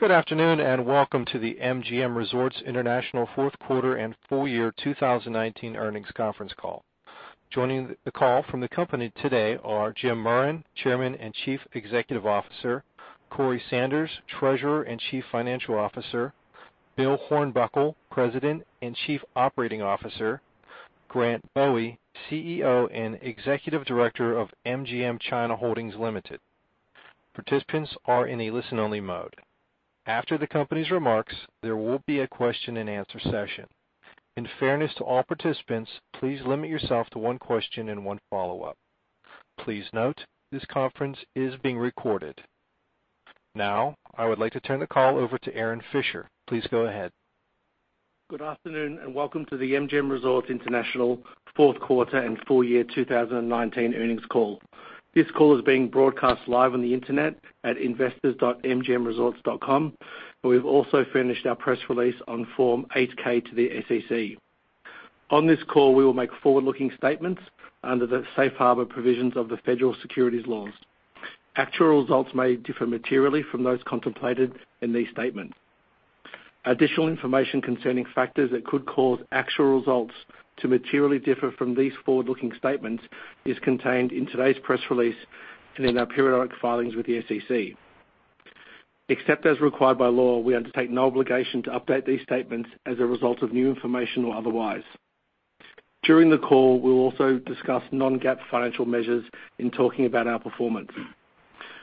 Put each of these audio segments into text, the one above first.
Good afternoon. Welcome to the MGM Resorts International Fourth Quarter and Full Year 2019 Earnings Conference Call. Joining the call from the company today are Jim Murren, Chairman and Chief Executive Officer, Corey Sanders, Treasurer and Chief Financial Officer, Bill Hornbuckle, President and Chief Operating Officer, Grant Bowie, CEO and Executive Director of MGM China Holdings Limited. Participants are in a listen-only mode. After the company's remarks, there will be a question-and-answer session. In fairness to all participants, please limit yourself to one question and one follow-up. Please note, this conference is being recorded. I would like to turn the call over to Aaron Fischer. Please go ahead. Good afternoon, and welcome to the MGM Resorts International Fourth Quarter and Full Year 2019 Earnings Call. This call is being broadcast live on the internet at investors.mgmresorts.com. We've also furnished our press release on Form 8-K to the SEC. On this call, we will make forward-looking statements under the safe harbor provisions of the federal securities laws. Actual results may differ materially from those contemplated in these statements. Additional information concerning factors that could cause actual results to materially differ from these forward-looking statements is contained in today's press release and in our periodic filings with the SEC. Except as required by law, we undertake no obligation to update these statements as a result of new information or otherwise. During the call, we'll also discuss non-GAAP financial measures in talking about our performance.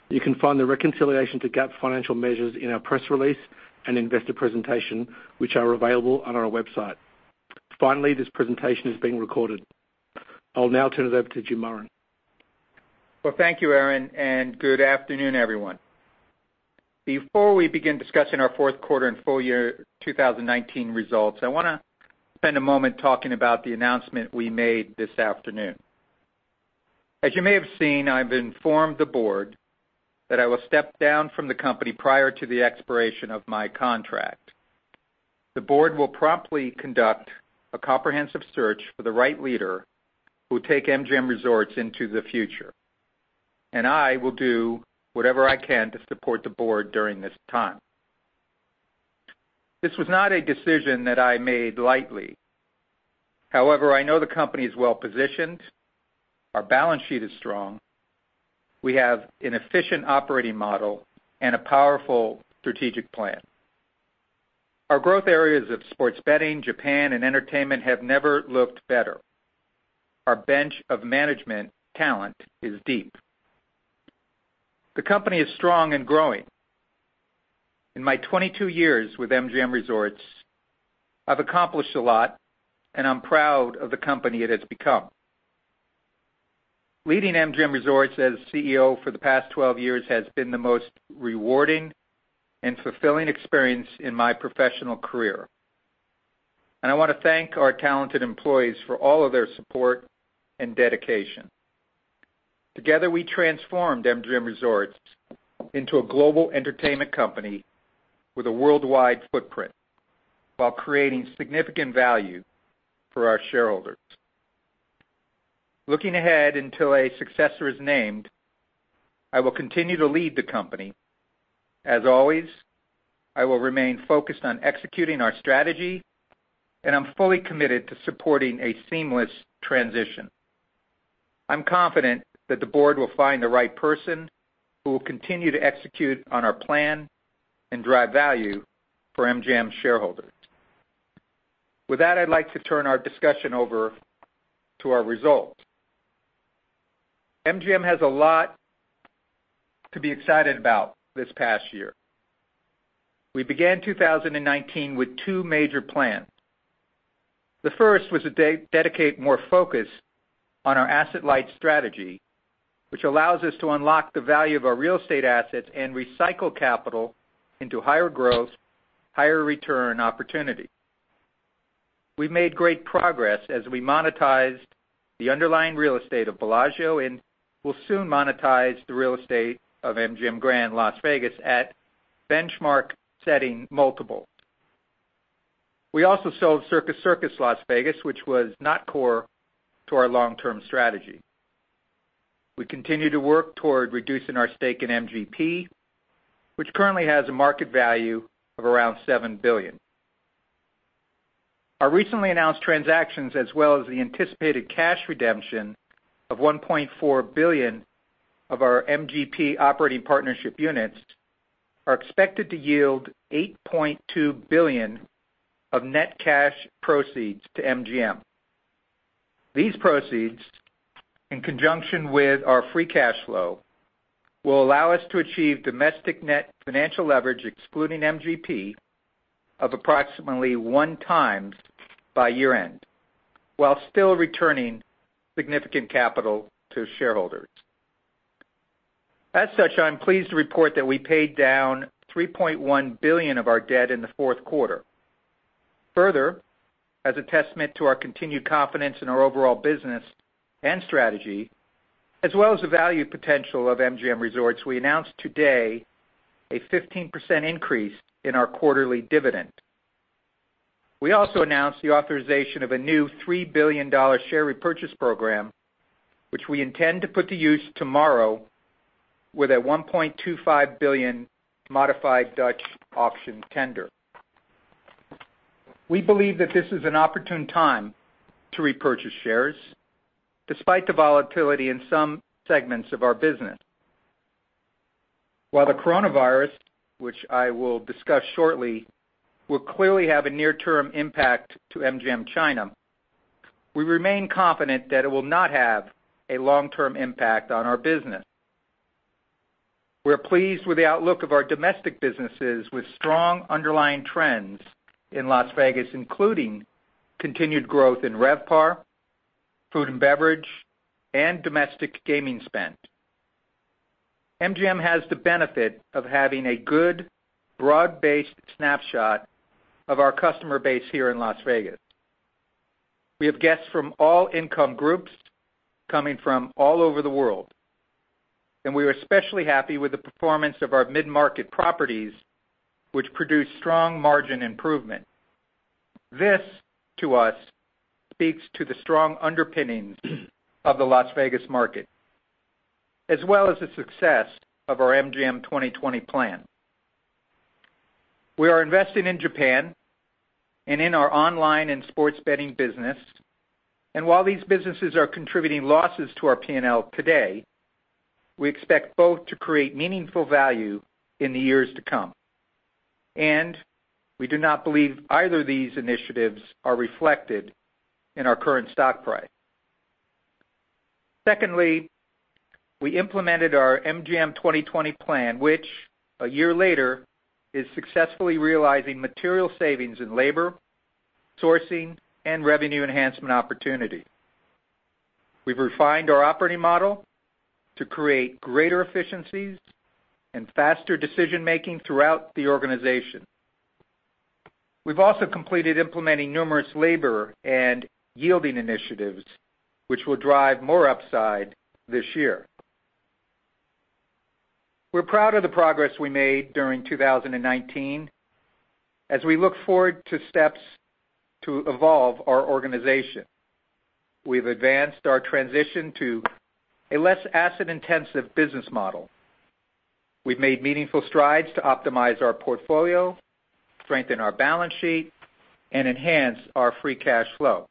You can find the reconciliation to GAAP financial measures in our press release and investor presentation, which are available on our website. This presentation is being recorded. I'll now turn it over to Jim Murren. Thank you, Aaron, and good afternoon, everyone. Before we begin discussing our fourth quarter and full year 2019 results, I want to spend a moment talking about the announcement we made this afternoon. As you may have seen, I've informed the Board that I will step down from the company prior to the expiration of my contract. The Board will promptly conduct a comprehensive search for the right leader who will take MGM Resorts into the future, and I will do whatever I can to support the Board during this time. This was not a decision that I made lightly. I know the company is well-positioned, our balance sheet is strong, we have an efficient operating model, and a powerful strategic plan. Our growth areas of sports betting, Japan, and entertainment have never looked better. Our bench of management talent is deep. The company is strong and growing. In my 22 years with MGM Resorts, I've accomplished a lot, and I'm proud of the company it has become. Leading MGM Resorts as CEO for the past 12 years has been the most rewarding and fulfilling experience in my professional career, and I want to thank our talented employees for all of their support and dedication. Together, we transformed MGM Resorts into a global entertainment company with a worldwide footprint while creating significant value for our shareholders. Looking ahead until a successor is named, I will continue to lead the company. As always, I will remain focused on executing our strategy, and I'm fully committed to supporting a seamless transition. I'm confident that the board will find the right person who will continue to execute on our plan and drive value for MGM shareholders. With that, I'd like to turn our discussion over to our results. MGM has a lot to be excited about this past year. We began 2019 with two major plans. The first was to dedicate more focus on our asset-light strategy, which allows us to unlock the value of our real estate assets and recycle capital into higher growth, higher return opportunities. We made great progress as we monetized the underlying real estate of Bellagio and will soon monetize the real estate of MGM Grand Las Vegas at benchmark setting multiples. We also sold Circus Circus Las Vegas, which was not core to our long-term strategy. We continue to work toward reducing our stake in MGP, which currently has a market value of around $7 billion. Our recently announced transactions, as well as the anticipated cash redemption of $1.4 billion of our MGP operating partnership units, are expected to yield $8.2 billion of net cash proceeds to MGM. These proceeds, in conjunction with our free cash flow, will allow us to achieve domestic net financial leverage, excluding MGP, of approximately one times by year-end, while still returning significant capital to shareholders. I'm pleased to report that we paid down $3.1 billion of our debt in the fourth quarter. We also announced, as a testament to our continued confidence in our overall business and strategy, as well as the value potential of MGM Resorts, a 15% increase in our quarterly dividend. We also announced the authorization of a new $3 billion share repurchase program, which we intend to put to use tomorrow with a $1.25 billion modified Dutch auction tender. We believe that this is an opportune time to repurchase shares, despite the volatility in some segments of our business. While the coronavirus, which I will discuss shortly, will clearly have a near-term impact to MGM China, we remain confident that it will not have a long-term impact on our business. We're pleased with the outlook of our domestic businesses with strong underlying trends in Las Vegas, including continued growth in RevPAR, food and beverage, and domestic gaming spend. MGM has the benefit of having a good, broad-based snapshot of our customer base here in Las Vegas. We have guests from all income groups coming from all over the world, and we are especially happy with the performance of our mid-market properties, which produce strong margin improvement. This, to us, speaks to the strong underpinnings of the Las Vegas market, as well as the success of our MGM 2020 plan. We are investing in Japan and in our online and sports betting business. While these businesses are contributing losses to our P&L today, we expect both to create meaningful value in the years to come. We do not believe either of these initiatives are reflected in our current stock price. Secondly, we implemented our MGM 2020 plan, which, a year later, is successfully realizing material savings in labor, sourcing, and revenue enhancement opportunity. We've refined our operating model to create greater efficiencies and faster decision-making throughout the organization. We've also completed implementing numerous labor and yielding initiatives, which will drive more upside this year. We're proud of the progress we made during 2019 as we look forward to steps to evolve our organization. We've advanced our transition to a less asset-intensive business model. We've made meaningful strides to optimize our portfolio, strengthen our balance sheet, and enhance our free cash flow.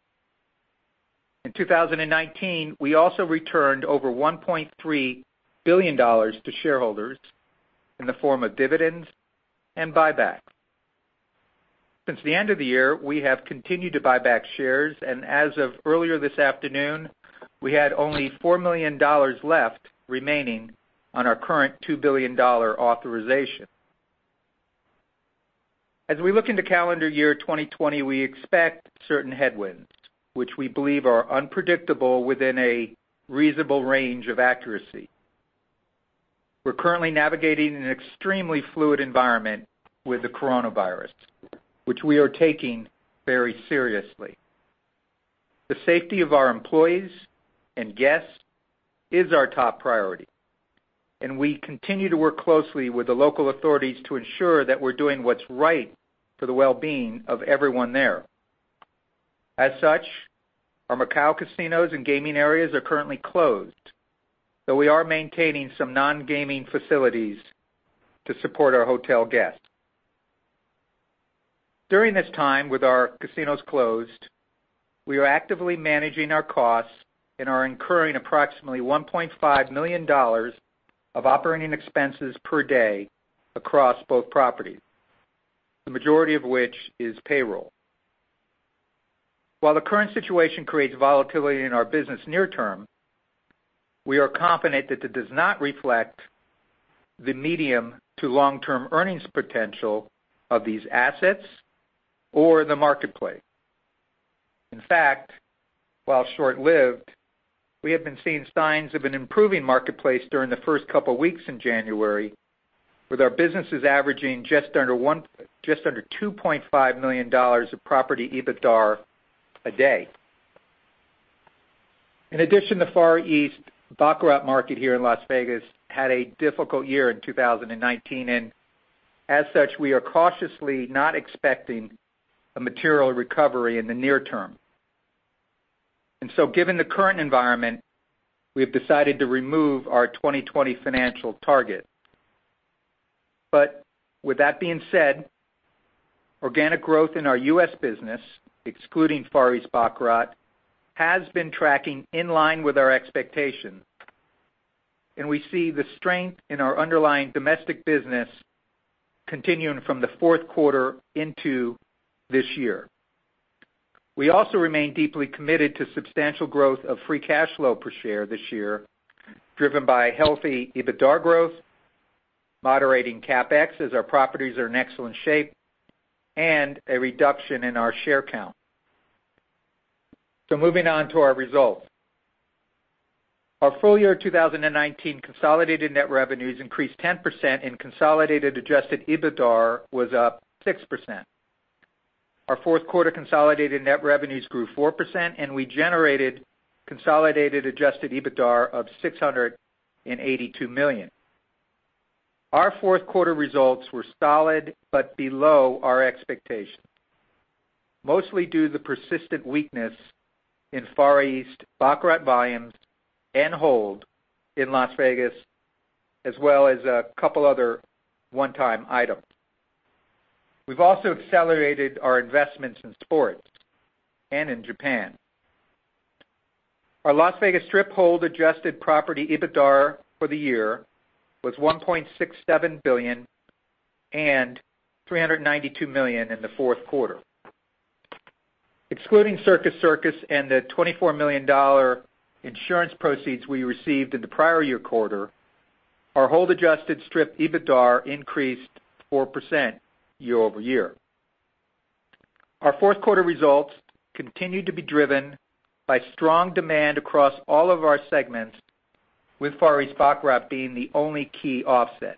In 2019, we also returned over $1.3 billion to shareholders in the form of dividends and buybacks. Since the end of the year, we have continued to buy back shares, and as of earlier this afternoon, we had only $4 million left remaining on our current $2 billion authorization. As we look into calendar year 2020, we expect certain headwinds, which we believe are unpredictable within a reasonable range of accuracy. We're currently navigating an extremely fluid environment with the coronavirus, which we are taking very seriously. The safety of our employees and guests is our top priority, and we continue to work closely with the local authorities to ensure that we're doing what's right for the well-being of everyone there. As such, our Macau casinos and gaming areas are currently closed, though we are maintaining some non-gaming facilities to support our hotel guests. During this time with our casinos closed, we are actively managing our costs and are incurring approximately $1.5 million of operating expenses per day across both properties, the majority of which is payroll. While the current situation creates volatility in our business near term, we are confident that it does not reflect the medium to long-term earnings potential of these assets or the marketplace. In fact, while short-lived, we have been seeing signs of an improving marketplace during the first couple weeks in January, with our businesses averaging just under $2.5 million of property EBITDAR a day. In addition, the Far East baccarat market here in Las Vegas had a difficult year in 2019, and as such, we are cautiously not expecting a material recovery in the near term. Given the current environment, we have decided to remove our 2020 financial target. With that being said, organic growth in our U.S. business, excluding Far East baccarat, has been tracking in line with our expectations, and we see the strength in our underlying domestic business continuing from the fourth quarter into this year. We also remain deeply committed to substantial growth of free cash flow per share this year, driven by healthy EBITDAR growth, moderating CapEx as our properties are in excellent shape, and a reduction in our share count. Moving on to our results. Our full year 2019 consolidated net revenues increased 10% and consolidated adjusted EBITDAR was up 6%. Our fourth quarter consolidated net revenues grew 4% and we generated consolidated adjusted EBITDAR of $682 million. Our fourth quarter results were solid but below our expectations, mostly due to the persistent weakness in Far East baccarat volumes and hold in Las Vegas, as well as a couple other one-time items. We've also accelerated our investments in sports and in Japan. Our Las Vegas Strip hold adjusted property EBITDAR for the year was $1.67 billion and $392 million in the fourth quarter. Excluding Circus Circus and the $24 million insurance proceeds we received in the prior year quarter, our hold adjusted Strip EBITDAR increased 4% year-over-year. Our fourth quarter results continued to be driven by strong demand across all of our segments, with Far East baccarat being the only key offset.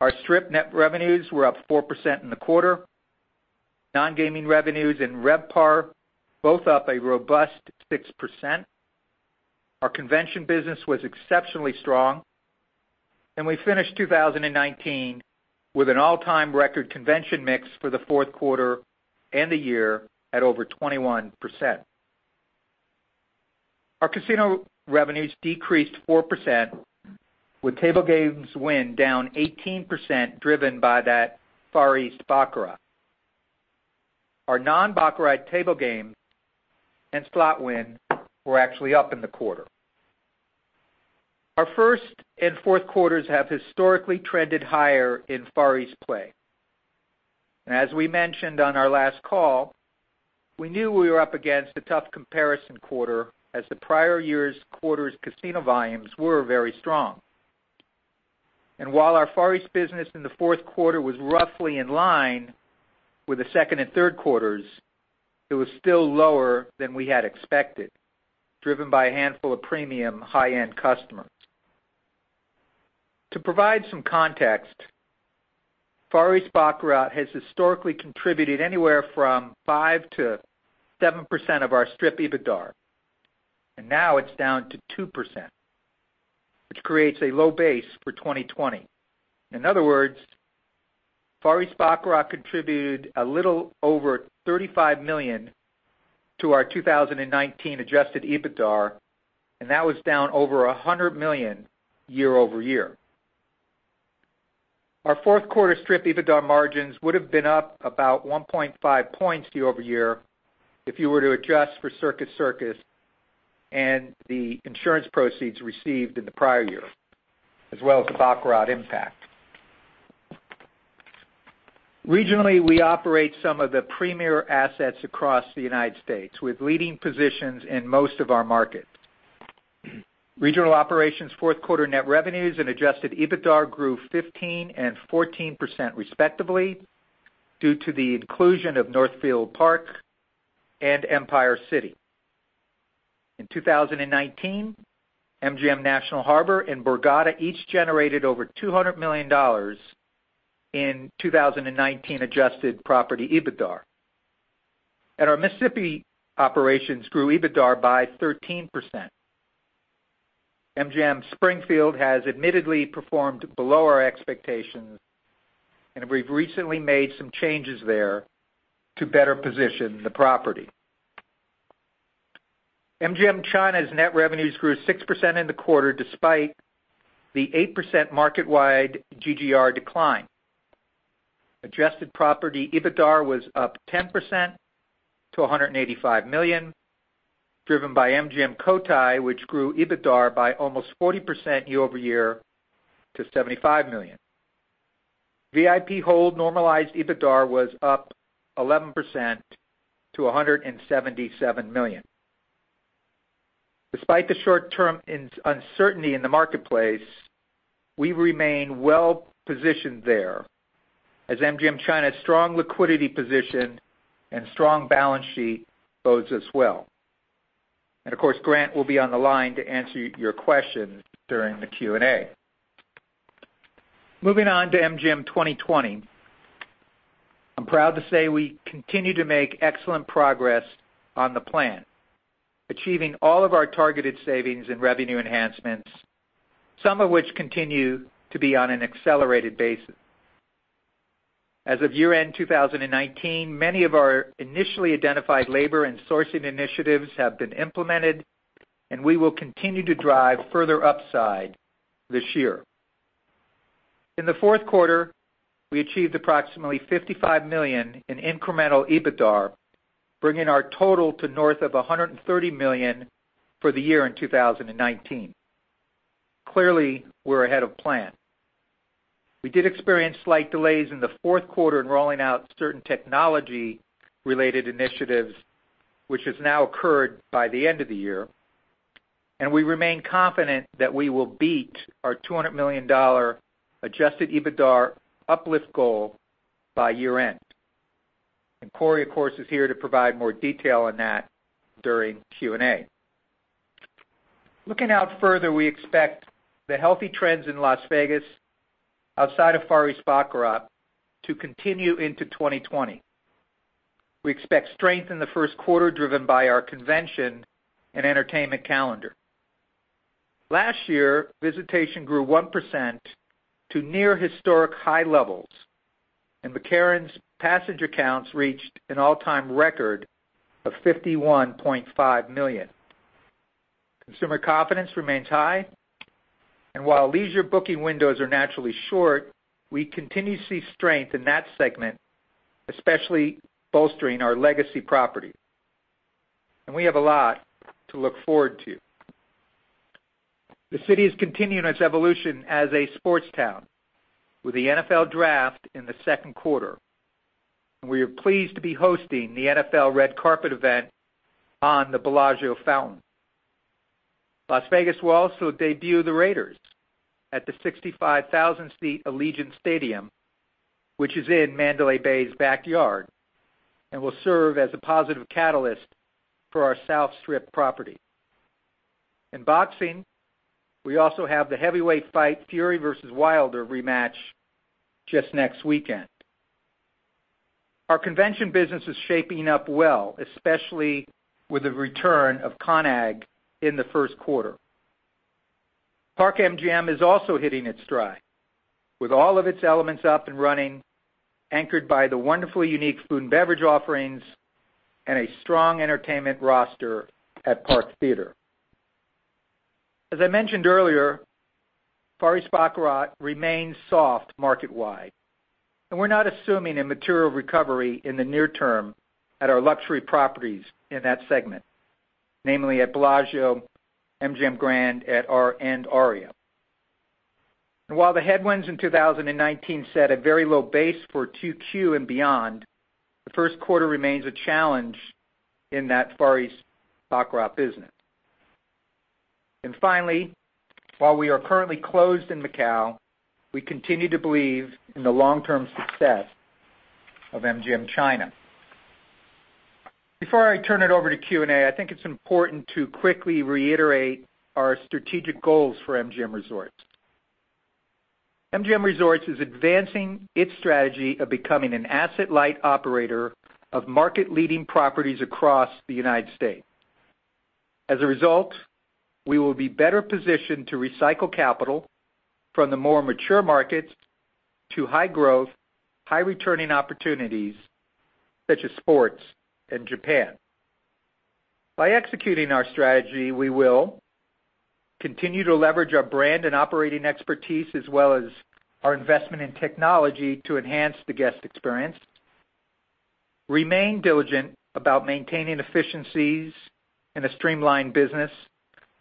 Our Strip net revenues were up 4% in the quarter. Non-gaming revenues and RevPAR both up a robust 6%. Our convention business was exceptionally strong, and we finished 2019 with an all-time record convention mix for the fourth quarter and the year at over 21%. Our casino revenues decreased 4%, with table games win down 18%, driven by that Far East baccarat. Our non-baccarat table game and slot win were actually up in the quarter. Our first and fourth quarters have historically trended higher in Far East play. As we mentioned on our last call, we knew we were up against a tough comparison quarter as the prior year's quarter's casino volumes were very strong. While our Far East business in the fourth quarter was roughly in line with the second and third quarters, it was still lower than we had expected, driven by a handful of premium high-end customers. To provide some context, Far East baccarat has historically contributed anywhere from 5%-7% of our Strip EBITDAR, and now it's down to 2%, which creates a low base for 2020. In other words, Far East baccarat contributed a little over $35 million to our 2019 adjusted EBITDAR, and that was down over $100 million year-over-year. Our fourth quarter Strip EBITDAR margins would have been up about 1.5 points year-over-year if you were to adjust for Circus Circus and the insurance proceeds received in the prior year, as well as the baccarat impact. Regionally, we operate some of the premier assets across the United States, with leading positions in most of our markets. Regional operations' fourth quarter net revenues and adjusted EBITDAR grew 15% and 14% respectively due to the inclusion of Northfield Park and Empire City. In 2019, MGM National Harbor and Borgata each generated over $200 million in 2019 adjusted property EBITDAR. Our Mississippi operations grew EBITDAR by 13%. MGM Springfield has admittedly performed below our expectations, and we've recently made some changes there to better position the property. MGM China's net revenues grew 6% in the quarter, despite the 8% market-wide GGR decline. Adjusted property EBITDAR was up 10% to $185 million, driven by MGM Cotai, which grew EBITDA by almost 40% year-over-year to $75 million. VIP hold normalized EBITDAR was up 11% to $177 million. Despite the short-term uncertainty in the marketplace, we remain well-positioned there as MGM China's strong liquidity position and strong balance sheet bodes us well. Of course, Grant will be on the line to answer your questions during the Q&A. Moving on to MGM 2020, I'm proud to say we continue to make excellent progress on the plan, achieving all of our targeted savings and revenue enhancements, some of which continue to be on an accelerated basis. As of year-end 2019, many of our initially identified labor and sourcing initiatives have been implemented, and we will continue to drive further upside this year. In the fourth quarter, we achieved approximately $55 million in incremental EBITDAR, bringing our total to north of $130 million for the year in 2019. Clearly, we're ahead of plan. We did experience slight delays in the fourth quarter in rolling out certain technology-related initiatives, which has now occurred by the end of the year, and we remain confident that we will beat our $200 million adjusted EBITDAR uplift goal by year-end. Corey, of course, is here to provide more detail on that during Q&A. Looking out further, we expect the healthy trends in Las Vegas outside of Far East baccarat to continue into 2020. We expect strength in the first quarter, driven by our convention and entertainment calendar. Last year, visitation grew 1% to near historic high levels, and McCarran's passenger counts reached an all-time record of 51.5 million. While leisure booking windows are naturally short, we continue to see strength in that segment, especially bolstering our legacy property. We have a lot to look forward to. The city is continuing its evolution as a sports town, with the NFL Draft in the second quarter. We are pleased to be hosting the NFL red carpet event on the Bellagio Fountain. Las Vegas will also debut the Raiders at the 65,000-seat Allegiant Stadium, which is in Mandalay Bay's backyard and will serve as a positive catalyst for our South Strip property. In boxing, we also have the heavyweight fight, Fury versus Wilder rematch just next weekend. Our convention business is shaping up well, especially with the return of CON/AGG in the first quarter. Park MGM is also hitting its stride. With all of its elements up and running, anchored by the wonderfully unique food and beverage offerings and a strong entertainment roster at Park Theater. As I mentioned earlier, Far East/Macau remains soft market-wide, and we're not assuming a material recovery in the near term at our luxury properties in that segment, namely at Bellagio, MGM Grand, and Aria. While the headwinds in 2019 set a very low base for 2Q and beyond, the first quarter remains a challenge in that Far East/Macau business. Finally, while we are currently closed in Macau, we continue to believe in the long-term success of MGM China. Before I turn it over to Q&A, I think it's important to quickly reiterate our strategic goals for MGM Resorts. MGM Resorts is advancing its strategy of becoming an asset-light operator of market-leading properties across the United States. As a result, we will be better positioned to recycle capital from the more mature markets to high-growth, high-returning opportunities such as sports and Japan. By executing our strategy, we will continue to leverage our brand and operating expertise, as well as our investment in technology to enhance the guest experience, remain diligent about maintaining efficiencies in a streamlined business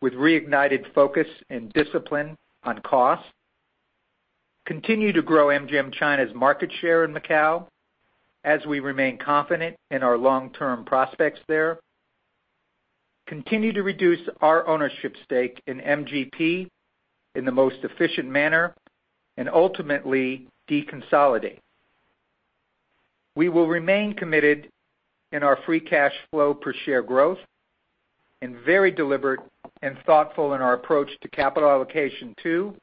with reignited focus and discipline on cost, continue to grow MGM China's market share in Macau as we remain confident in our long-term prospects there, continue to reduce our ownership stake in MGP in the most efficient manner, and ultimately deconsolidate. We will remain committed in our free cash flow per share growth and very deliberate and thoughtful in our approach to capital allocation to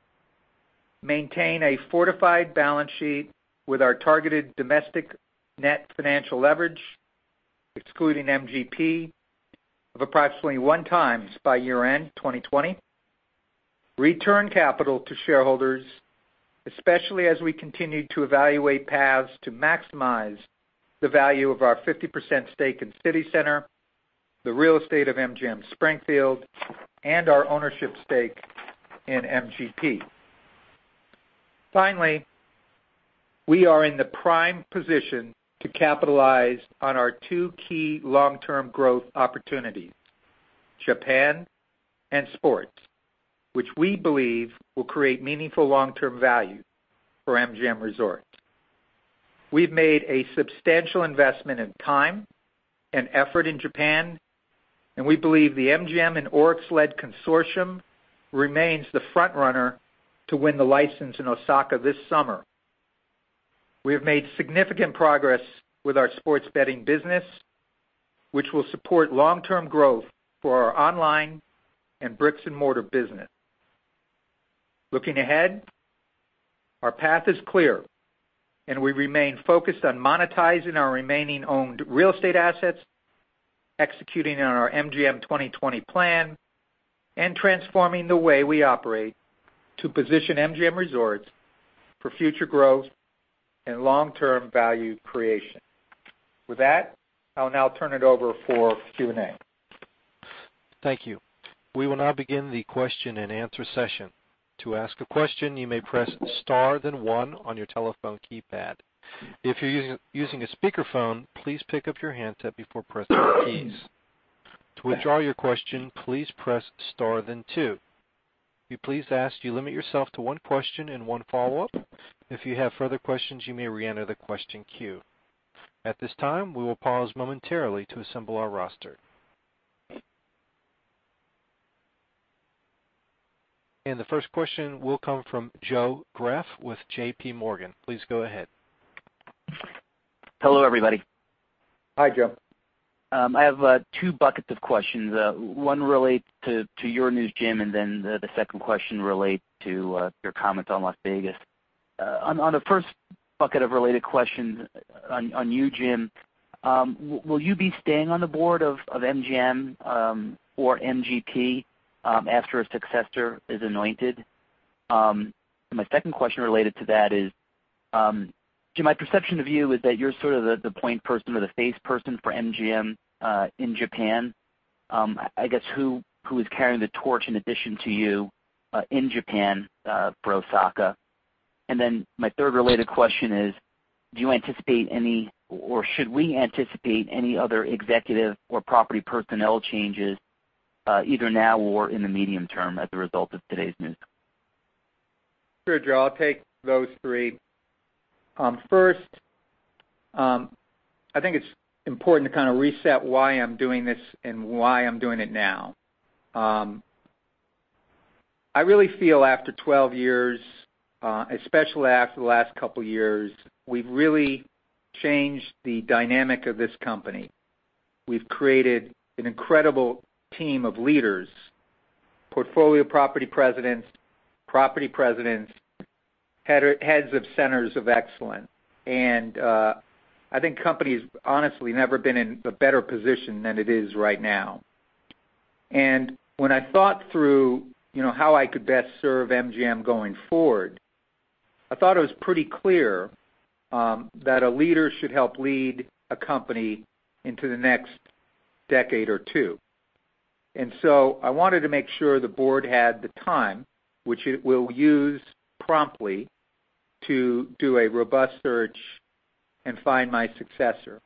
maintain a fortified balance sheet with our targeted domestic net financial leverage, excluding MGP, of approximately one times by year-end 2020, return capital to shareholders, especially as we continue to evaluate paths to maximize the value of our 50% stake in CityCenter, the real estate of MGM Springfield, and our ownership stake in MGP. We are in the prime position to capitalize on our two key long-term growth opportunities, Japan and sports, which we believe will create meaningful long-term value for MGM Resorts. We've made a substantial investment in time and effort in Japan, and we believe the MGM and ORIX-led consortium remains the front runner to win the license in Osaka this summer. We have made significant progress with our sports betting business, which will support long-term growth for our online and bricks-and-mortar business. Looking ahead, our path is clear, and we remain focused on monetizing our remaining owned real estate assets, executing on our MGM 2020 plan, and transforming the way we operate to position MGM Resorts for future growth and long-term value creation. With that, I'll now turn it over for Q&A. Thank you. We will now begin the question-and-answer session. To ask a question, you may press star then one on your telephone keypad. If you're using a speakerphone, please pick up your handset before pressing the keys. To withdraw your question, please press star then two. We please ask you limit yourself to one question and one follow-up. If you have further questions, you may reenter the question queue. At this time, we will pause momentarily to assemble our roster. The first question will come from Joe Greff with JPMorgan. Please go ahead. Hello, everybody. Hi, Joe. I have two buckets of questions. One relates to your news, Jim. The second question relates to your comments on Las Vegas. On the first bucket of related questions on you, Jim, will you be staying on the board of MGM or MGP after a successor is anointed? My second question related to that is, Jim, my perception of you is that you're sort of the point person or the face person for MGM in Japan. I guess, who is carrying the torch in addition to you in Japan for Osaka? My third related question is, do you anticipate any, or should we anticipate any other executive or property personnel changes, either now or in the medium term, as a result of today's news? Sure, Joe. I'll take those three. First, I think it's important to kind of reset why I'm doing this and why I'm doing it now. I really feel after 12 years, especially after the last couple years, we've really changed the dynamic of this company. We've created an incredible team of leaders, portfolio property presidents, property presidents, heads of centers of excellence. I think the company's honestly never been in a better position than it is right now. When I thought through how I could best serve MGM going forward, I thought it was pretty clear that a leader should help lead a company into the next decade or two. I wanted to make sure the board had the time, which it will use promptly to do a robust search and find my successor.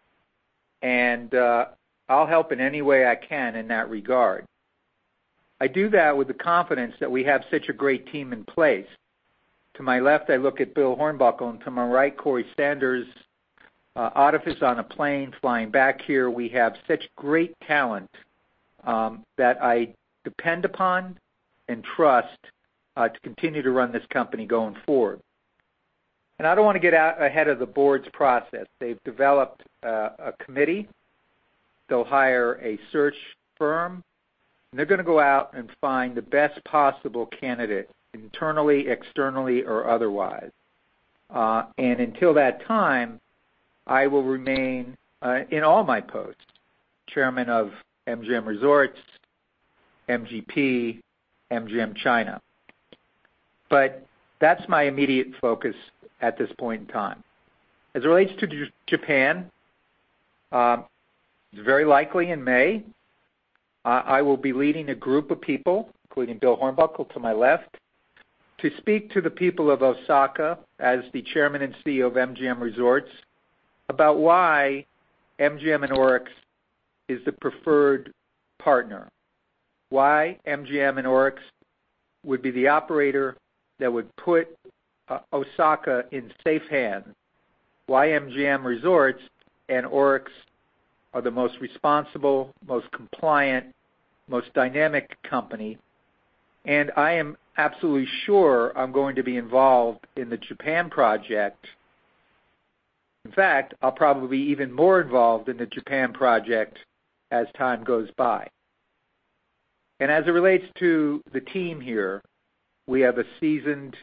I'll help in any way I can in that regard. I do that with the confidence that we have such a great team in place. To my left, I look at Bill Hornbuckle, and to my right, Corey Sanders, Aaron is on a plane flying back here. We have such great talent that I depend upon and trust to continue to run this company going forward. I don't want to get out ahead of the board's process. They've developed a committee. They'll hire a search firm, and they're going to go out and find the best possible candidate internally, externally, or otherwise. Until that time, I will remain in all my posts, chairman of MGM Resorts, MGP, MGM China. That's my immediate focus at this point in time. As it relates to Japan, it's very likely in May, I will be leading a group of people, including Bill Hornbuckle to my left, to speak to the people of Osaka as the Chairman and CEO of MGM Resorts about why MGM and ORIX is the preferred partner, why MGM and ORIX would be the operator that would put Osaka in safe hands, why MGM Resorts and ORIX are the most responsible, most compliant, most dynamic company. I am absolutely sure I'm going to be involved in the Japan project. In fact, I'll probably be even more involved in the Japan project as time goes by. As it relates to the team here, we have a seasoned,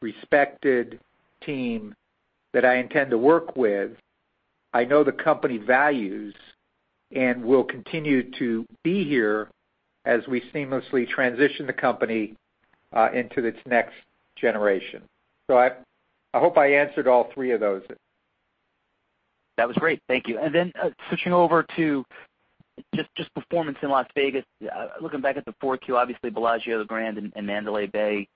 respected team that I intend to work with. I know the company values and will continue to be here as we seamlessly transition the company into its next generation. I hope I answered all three of those. That was great. Thank you. Then switching over to just performance in Las Vegas. Looking back at the 4Q, obviously Bellagio, MGM Grand, and Mandalay Bay,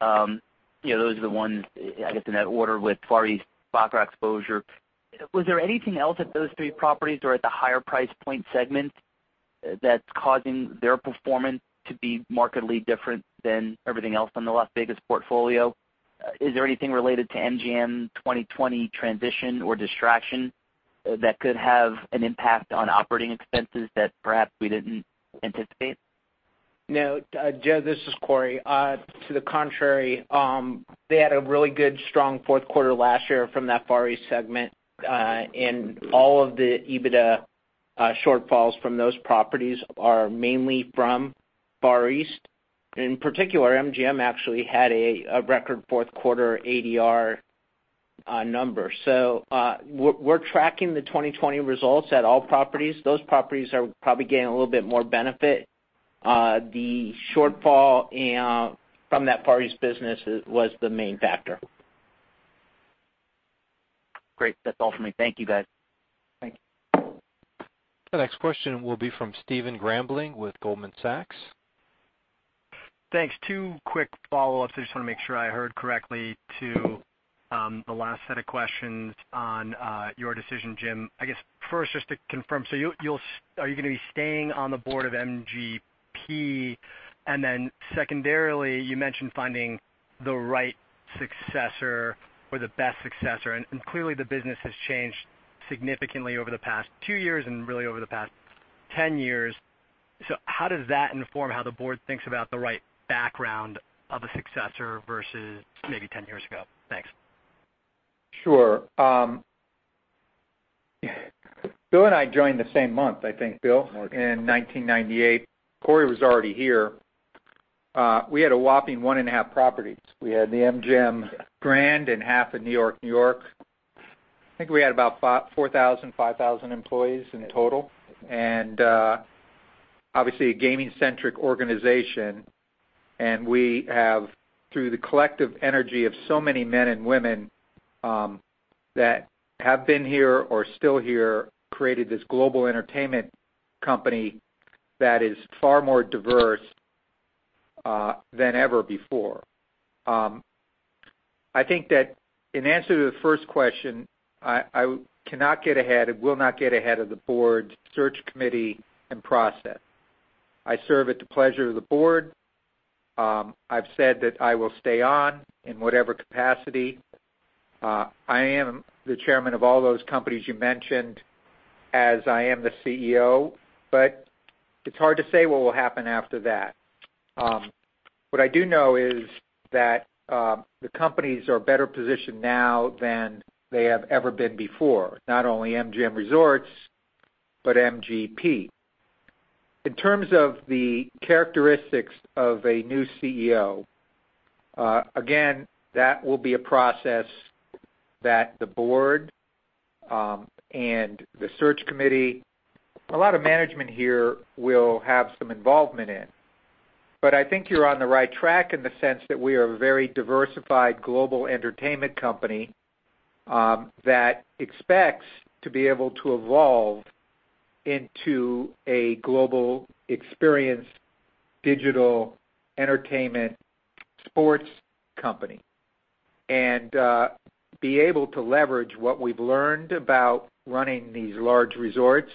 those are the ones, I guess, in that order with Far East baccarat exposure. Was there anything else at those three properties or at the higher price point segment that's causing their performance to be markedly different than everything else on the Las Vegas portfolio? Is there anything related to MGM 2020 transition or distraction that could have an impact on operating expenses that perhaps we didn't anticipate? No, Joe, this is Corey. To the contrary, they had a really good, strong fourth quarter last year from that Far East segment. All of the EBITDA shortfalls from those properties are mainly from Far East. In particular, MGM actually had a record fourth quarter ADR number. We're tracking the 2020 results at all properties. Those properties are probably getting a little bit more benefit. The shortfall from that Far East business was the main factor. Great. That's all for me. Thank you, guys. Thank you. The next question will be from Stephen Grambling with Goldman Sachs. Thanks. Two quick follow-ups. I just want to make sure I heard correctly to the last set of questions on your decision, Jim. I guess first, just to confirm, are you going to be staying on the board of MGP? Secondarily, you mentioned finding the right successor or the best successor, and clearly the business has changed significantly over the past two years and really over the past 10 years. How does that inform how the board thinks about the right background of a successor versus maybe 10 years ago? Thanks. Sure. Bill and I joined the same month, I think, Bill, in 1998. Corey was already here. We had a whopping one and a half properties. We had the MGM Grand and half of New York-New York. I think we had about 4,000, 5,000 employees in total, and obviously, a gaming-centric organization. We have, through the collective energy of so many men and women that have been here or still here, created this global entertainment company that is far more diverse than ever before. I think that in answer to the first question, I cannot get ahead and will not get ahead of the board's search committee and process. I serve at the pleasure of the board. I've said that I will stay on in whatever capacity. I am the chairman of all those companies you mentioned as I am the CEO. It's hard to say what will happen after that. What I do know is that the companies are better positioned now than they have ever been before, not only MGM Resorts, but MGP. In terms of the characteristics of a new CEO, again, that will be a process that the board and the search committee, a lot of management here will have some involvement in. I think you're on the right track in the sense that we are a very diversified global entertainment company that expects to be able to evolve into a global experience digital entertainment sports company. Be able to leverage what we've learned about running these large resorts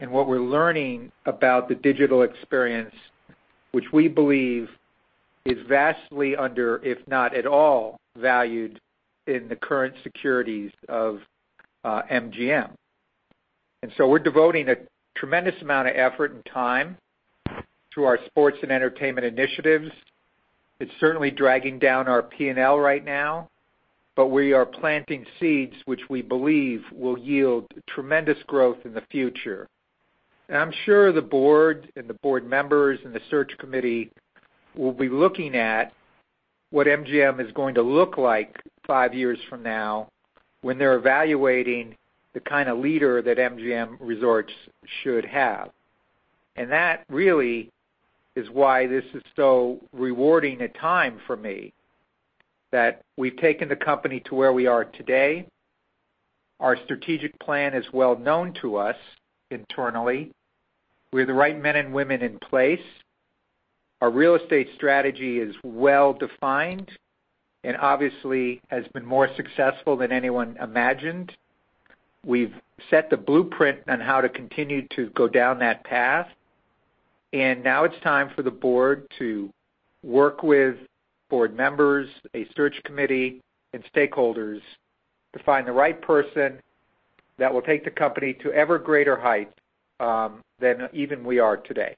and what we're learning about the digital experience, which we believe is vastly under, if not at all, valued in the current securities of MGM. We're devoting a tremendous amount of effort and time to our sports and entertainment initiatives. It's certainly dragging down our P&L right now, but we are planting seeds which we believe will yield tremendous growth in the future. I'm sure the board and the board members and the search committee will be looking at what MGM is going to look like five years from now when they're evaluating the kind of leader that MGM Resorts should have. That really is why this is so rewarding a time for me, that we've taken the company to where we are today. Our strategic plan is well known to us internally. We have the right men and women in place. Our real estate strategy is well defined and obviously has been more successful than anyone imagined. We've set the blueprint on how to continue to go down that path. Now it's time for the Board to work with Board members, a Search Committee, and stakeholders to find the right person that will take the Company to ever greater heights than even we are today.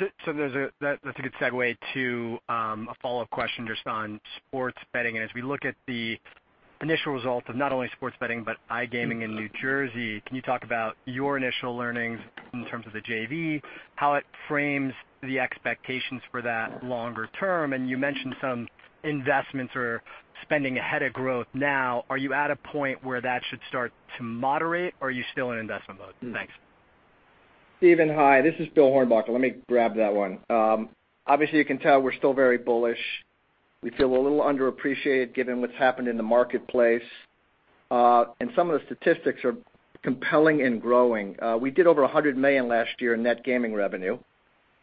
That's a good segue to a follow-up question just on sports betting. As we look at the initial results of not only sports betting, but iGaming in New Jersey, can you talk about your initial learnings in terms of the JV, how it frames the expectations for that longer term? You mentioned some investments or spending ahead of growth now. Are you at a point where that should start to moderate, or are you still in investment mode? Thanks. Stephen, hi. This is Bill Hornbuckle. Let me grab that one. Obviously, you can tell we're still very bullish. We feel a little underappreciated given what's happened in the marketplace. Some of the statistics are compelling and growing. We did over $100 million last year in net gaming revenue.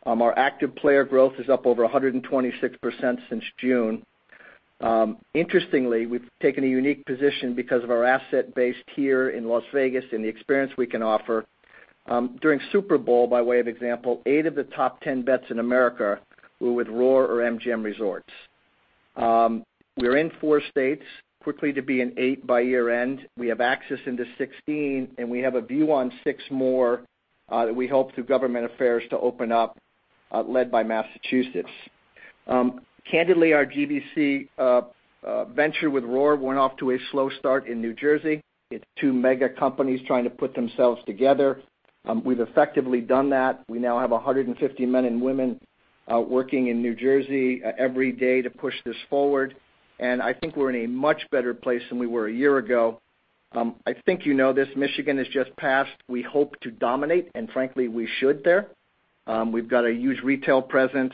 Our active player growth is up over 126% since June. Interestingly, we've taken a unique position because of our asset base here in Las Vegas and the experience we can offer. During Super Bowl, by way of example, eight of the top 10 bets in America were with Roar or MGM Resorts. We're in four states, quickly to be in eight by year-end. We have access into 16, and we have a view on six more that we hope through government affairs to open up, led by Massachusetts. Candidly, our GVC venture with Roar Digital went off to a slow start in New Jersey. It's two mega companies trying to put themselves together. We've effectively done that. We now have 150 men and women working in New Jersey every day to push this forward. I think we're in a much better place than we were a year ago. I think you know this, Michigan has just passed. We hope to dominate, frankly, we should there. We've got a huge retail presence.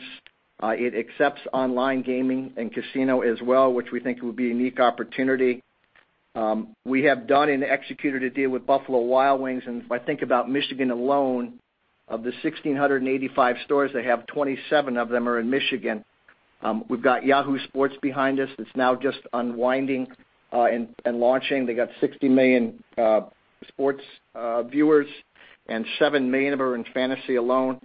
It accepts online gaming and casino as well, which we think will be a unique opportunity. We have done and executed a deal with Buffalo Wild Wings. If I think about Michigan alone, of the 1,685 stores, 27 of them are in Michigan. We've got Yahoo Sports behind us that's now just unwinding and launching. They got 60 million sports viewers, 7 million of them are in fantasy alone.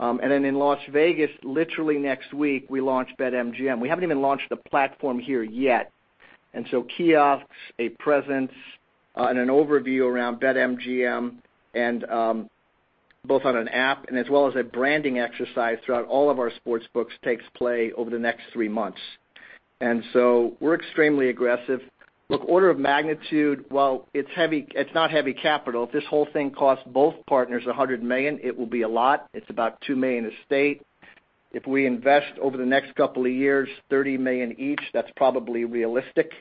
In Las Vegas, literally next week, we launch BetMGM. We haven't even launched the platform here yet. Kiosks, a presence, and an overview around BetMGM and both on an app as well as a branding exercise throughout all of our sports books takes play over the next three months. We're extremely aggressive. Look, order of magnitude, while it's not heavy capital, if this whole thing costs both partners $100 million, it will be a lot. It's about $2 million a state. If we invest over the next couple of years, $30 million each, that's probably realistic.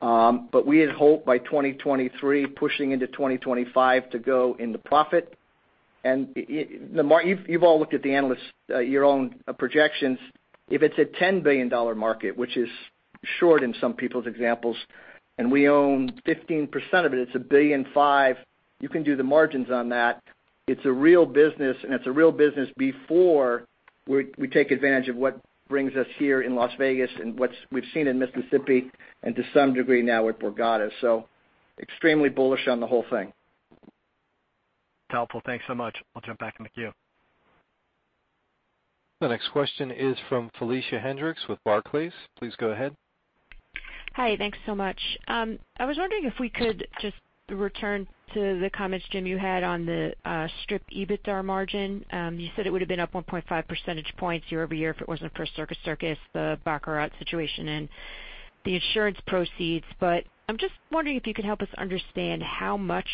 We had hoped by 2023, pushing into 2025, to go into profit. You've all looked at your own projections. If it's a $10 billion market, which is short in some people's examples, and we own 15% of it's $1.5 billion. You can do the margins on that. It's a real business, and it's a real business before we take advantage of what brings us here in Las Vegas and what we've seen in Mississippi, and to some degree now with Borgata. Extremely bullish on the whole thing. Helpful. Thanks so much. I'll jump back in the queue. The next question is from Felicia Hendrix with Barclays. Please go ahead. Hi. Thanks so much. I was wondering if we could just return to the comments, Jim, you had on the Strip EBITDAR margin. You said it would have been up 1.5 percentage points year-over-year if it wasn't for Circus Circus, the baccarat situation and the insurance proceeds. I'm just wondering if you could help us understand how much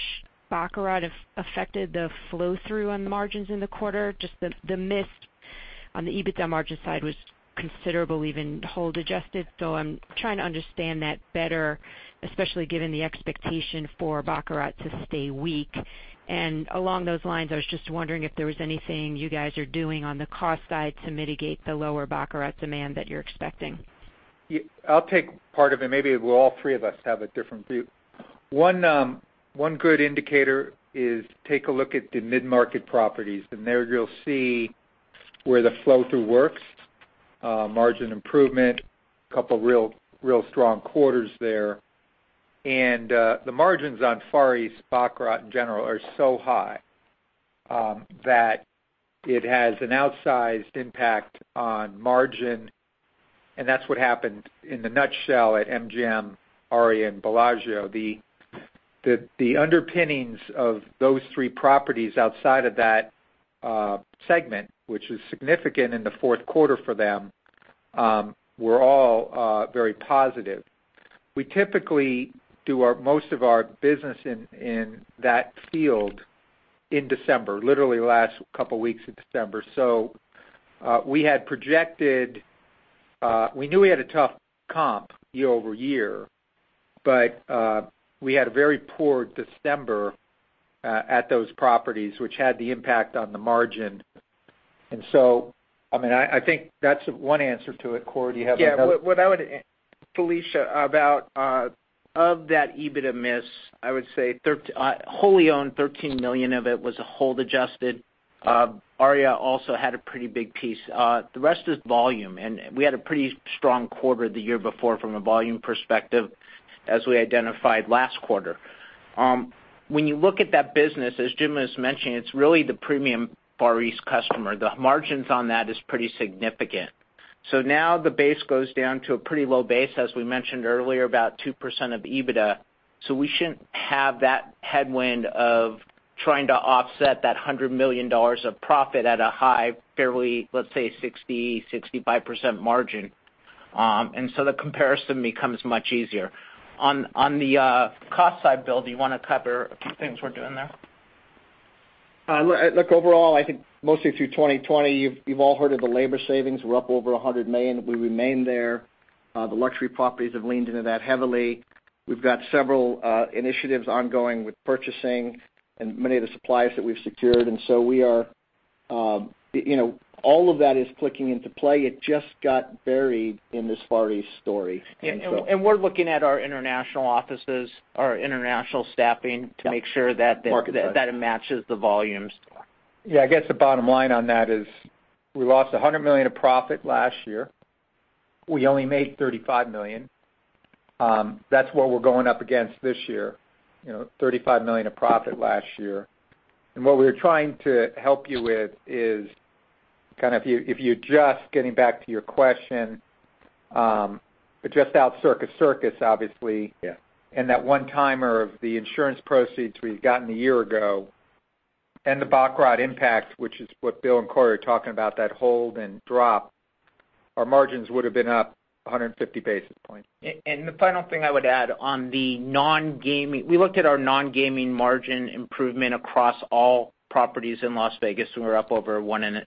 baccarat affected the flow-through on the margins in the quarter. Just the miss on the EBITDA margin side was considerable, even hold adjusted, I'm trying to understand that better, especially given the expectation for baccarat to stay weak. Along those lines, I was just wondering if there was anything you guys are doing on the cost side to mitigate the lower baccarat demand that you're expecting. I'll take part of it. Maybe we'll all three of us have a different view. One good indicator is take a look at the mid-market properties. There you'll see where the flow through works. Margin improvement, couple real strong quarters there. The margins on Far East baccarat, in general, are so high that it has an outsized impact on margin, and that's what happened in the nutshell at MGM Aria and Bellagio. The underpinnings of those three properties outside of that segment, which is significant in the fourth quarter for them, were all very positive. We typically do most of our business in that field in December, literally the last couple weeks of December. We knew we had a tough comp year-over-year, but we had a very poor December at those properties, which had the impact on the margin. I think that's one answer to it. Corey, do you have another? Yeah. Felicia, of that EBITDA miss, I would say wholly owned, $13 million of it was a hold adjusted. Aria also had a pretty big piece. The rest is volume, and we had a pretty strong quarter the year before from a volume perspective, as we identified last quarter. When you look at that business, as Jim was mentioning, it's really the premium Far East customer. The margins on that is pretty significant. Now the base goes down to a pretty low base, as we mentioned earlier, about 2% of EBITDA. We shouldn't have that headwind of trying to offset that $100 million of profit at a high, fairly, let's say 60%, 65% margin. The comparison becomes much easier. On the cost side, Bill, do you want to cover a few things we're doing there? Look, overall, I think mostly through 2020, you've all heard of the labor savings. We're up over $100 million. We remain there. The luxury properties have leaned into that heavily. We've got several initiatives ongoing with purchasing and many of the supplies that we've secured. All of that is clicking into play. It just got buried in this Far East story. We're looking at our international offices, our international staffing to make sure that. Market drive. that it matches the volumes. Yeah, I guess the bottom line on that is we lost $100 million of profit last year. We only made $35 million. That's what we're going up against this year, $35 million of profit last year. What we're trying to help you with is kind of, if you just, getting back to your question, just the Circus Circus obviously. Yeah. That one-timer of the insurance proceeds we've gotten a year ago and the baccarat impact, which is what Bill and Corey are talking about, that hold and drop, our margins would've been up 150 basis points. The final thing I would add, we looked at our non-gaming margin improvement across all properties in Las Vegas. We're up over 1.2%.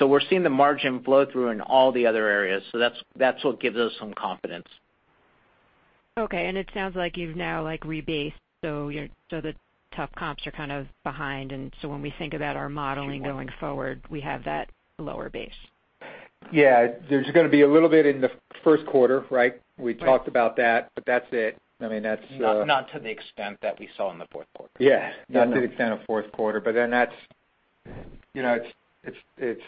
We're seeing the margin flow through in all the other areas. That's what gives us some confidence. Okay. It sounds like you've now rebased, so the tough comps are kind of behind. When we think about our modeling going forward, we have that lower base. Yeah. There's going to be a little bit in the first quarter, right? We talked about that, but that's it, I mean. Not to the extent that we saw in the fourth quarter. Yeah. Not to the extent of fourth quarter. It is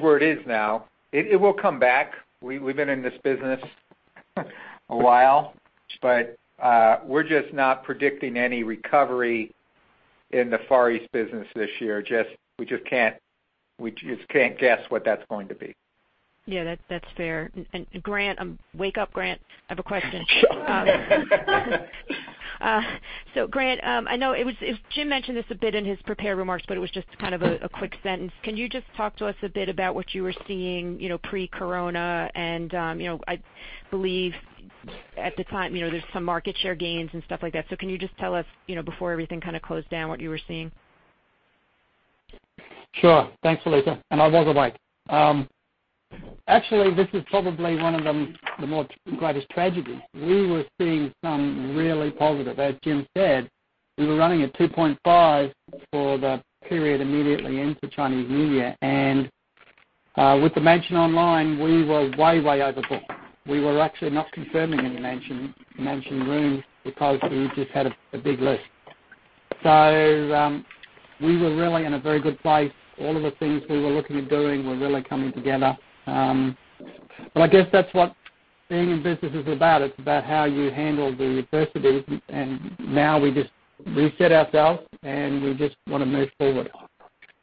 where it is now. It will come back. We've been in this business a while. We're just not predicting any recovery in the Far East business this year. We just can't guess what that's going to be. Yeah, that's fair. Grant, wake up, Grant. I have a question. Grant, I know Jim mentioned this a bit in his prepared remarks, but it was just kind of a quick sentence. Can you just talk to us a bit about what you were seeing, pre-coronavirus and, I believe at the time, there's some market share gains and stuff like that. Can you just tell us before everything kind of closed down what you were seeing? Sure. Thanks, Felicia. I was awake. Actually, this is probably one of the more greatest tragedies. We were seeing some really positive, as Jim said, we were running at 2.5 for the period immediately into Chinese New Year. With The Mansion online, we were way overbooked. We were actually not confirming any Mansion rooms because we just had a big list. We were really in a very good place. All of the things we were looking at doing were really coming together. I guess that's what being in business is about. It's about how you handle the adversities, now we just reset ourselves, and we just want to move forward.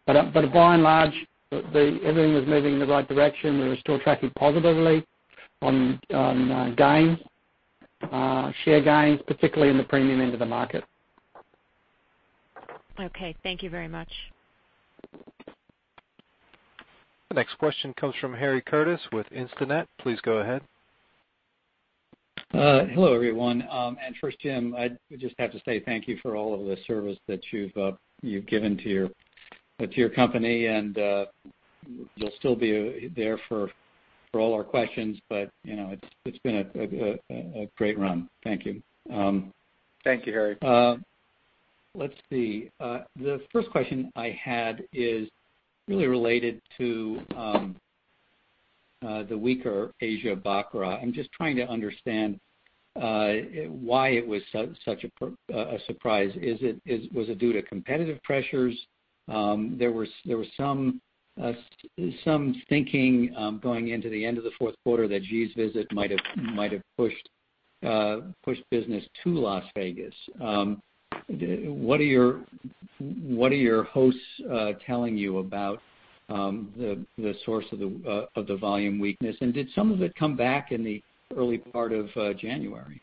By and large, everything was moving in the right direction. We were still tracking positively on gains, share gains, particularly in the premium end of the market. Okay. Thank you very much. The next question comes from Harry Curtis with Instinet. Please go ahead. Hello, everyone. First, Jim, I just have to say thank you for all of the service that you've given to your company, and you'll still be there for all our questions, but it's been a great run. Thank you. Thank you, Harry. Let's see. The first question I had is really related to the weaker Asia baccarat. I am just trying to understand why it was such a surprise. Was it due to competitive pressures? There was some thinking, going into the end of the fourth quarter that Xi's visit might have pushed business to Las Vegas. What are your hosts telling you about the source of the volume weakness, and did some of it come back in the early part of January?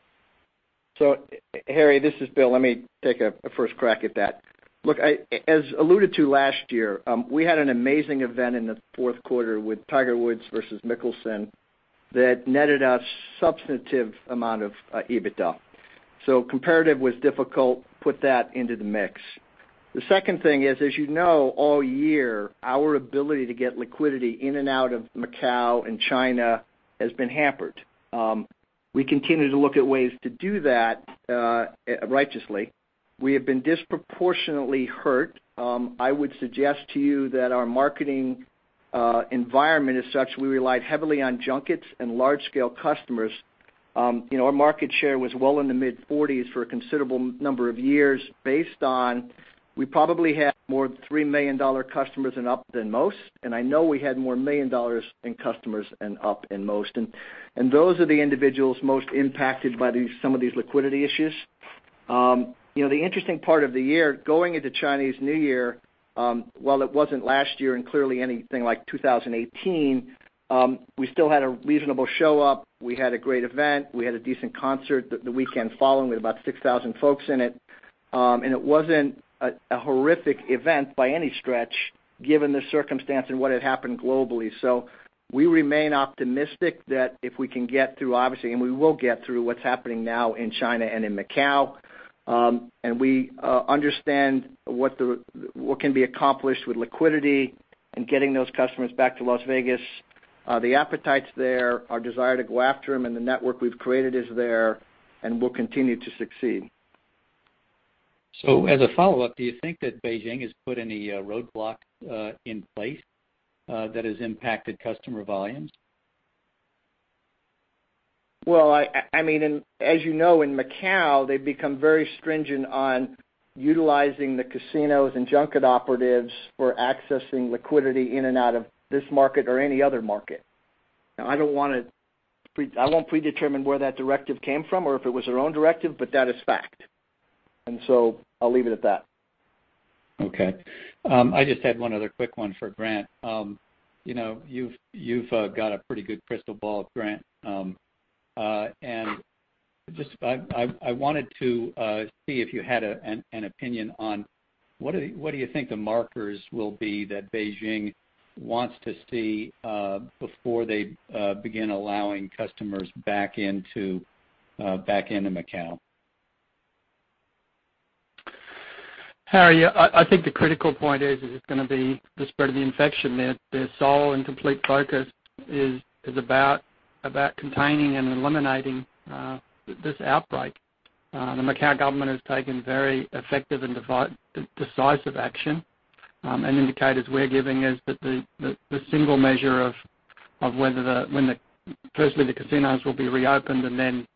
Harry, this is Bill. Let me take a first crack at that. As alluded to last year, we had an amazing event in the fourth quarter with Tiger Woods versus Mickelson that netted us substantive amount of EBITDA. Comparative was difficult, put that into the mix. The second thing is, as you know, all year, our ability to get liquidity in and out of Macau and China has been hampered. We continue to look at ways to do that righteously. We have been disproportionately hurt. I would suggest to you that our marketing environment is such, we relied heavily on junkets and large-scale customers. Our market share was well in the mid-40s for a considerable number of years based on, we probably had more $3 million customers and up than most, and I know we had more $1 million in customers and up in most. Those are the individuals most impacted by some of these liquidity issues. The interesting part of the year, going into Chinese New Year, while it wasn't last year and clearly anything like 2018, we still had a reasonable show up. We had a great event. We had a decent concert the weekend following with about 6,000 folks in it. It wasn't a horrific event by any stretch given the circumstance and what had happened globally. We remain optimistic that if we can get through, obviously, and we will get through what's happening now in China and in Macau, and we understand what can be accomplished with liquidity and getting those customers back to Las Vegas. The appetite's there, our desire to go after them and the network we've created is there, and we'll continue to succeed. As a follow-up, do you think that Beijing has put any roadblock in place that has impacted customer volumes? Well, as you know, in Macau, they've become very stringent on utilizing the casinos and junket operatives for accessing liquidity in and out of this market or any other market. Now, I won't predetermine where that directive came from or if it was their own directive, but that is fact. I'll leave it at that. Okay. I just had one other quick one for Grant. You've got a pretty good crystal ball, Grant. I wanted to see if you had an opinion on what do you think the markers will be that Beijing wants to see before they begin allowing customers back into Macau. Harry, I think the critical point is, it's going to be the spread of the infection. Their sole and complete focus is about containing and eliminating this outbreak. The Macau government has taken very effective and decisive action. Indicators we're giving is that the single measure of when firstly the casinos will be reopened and then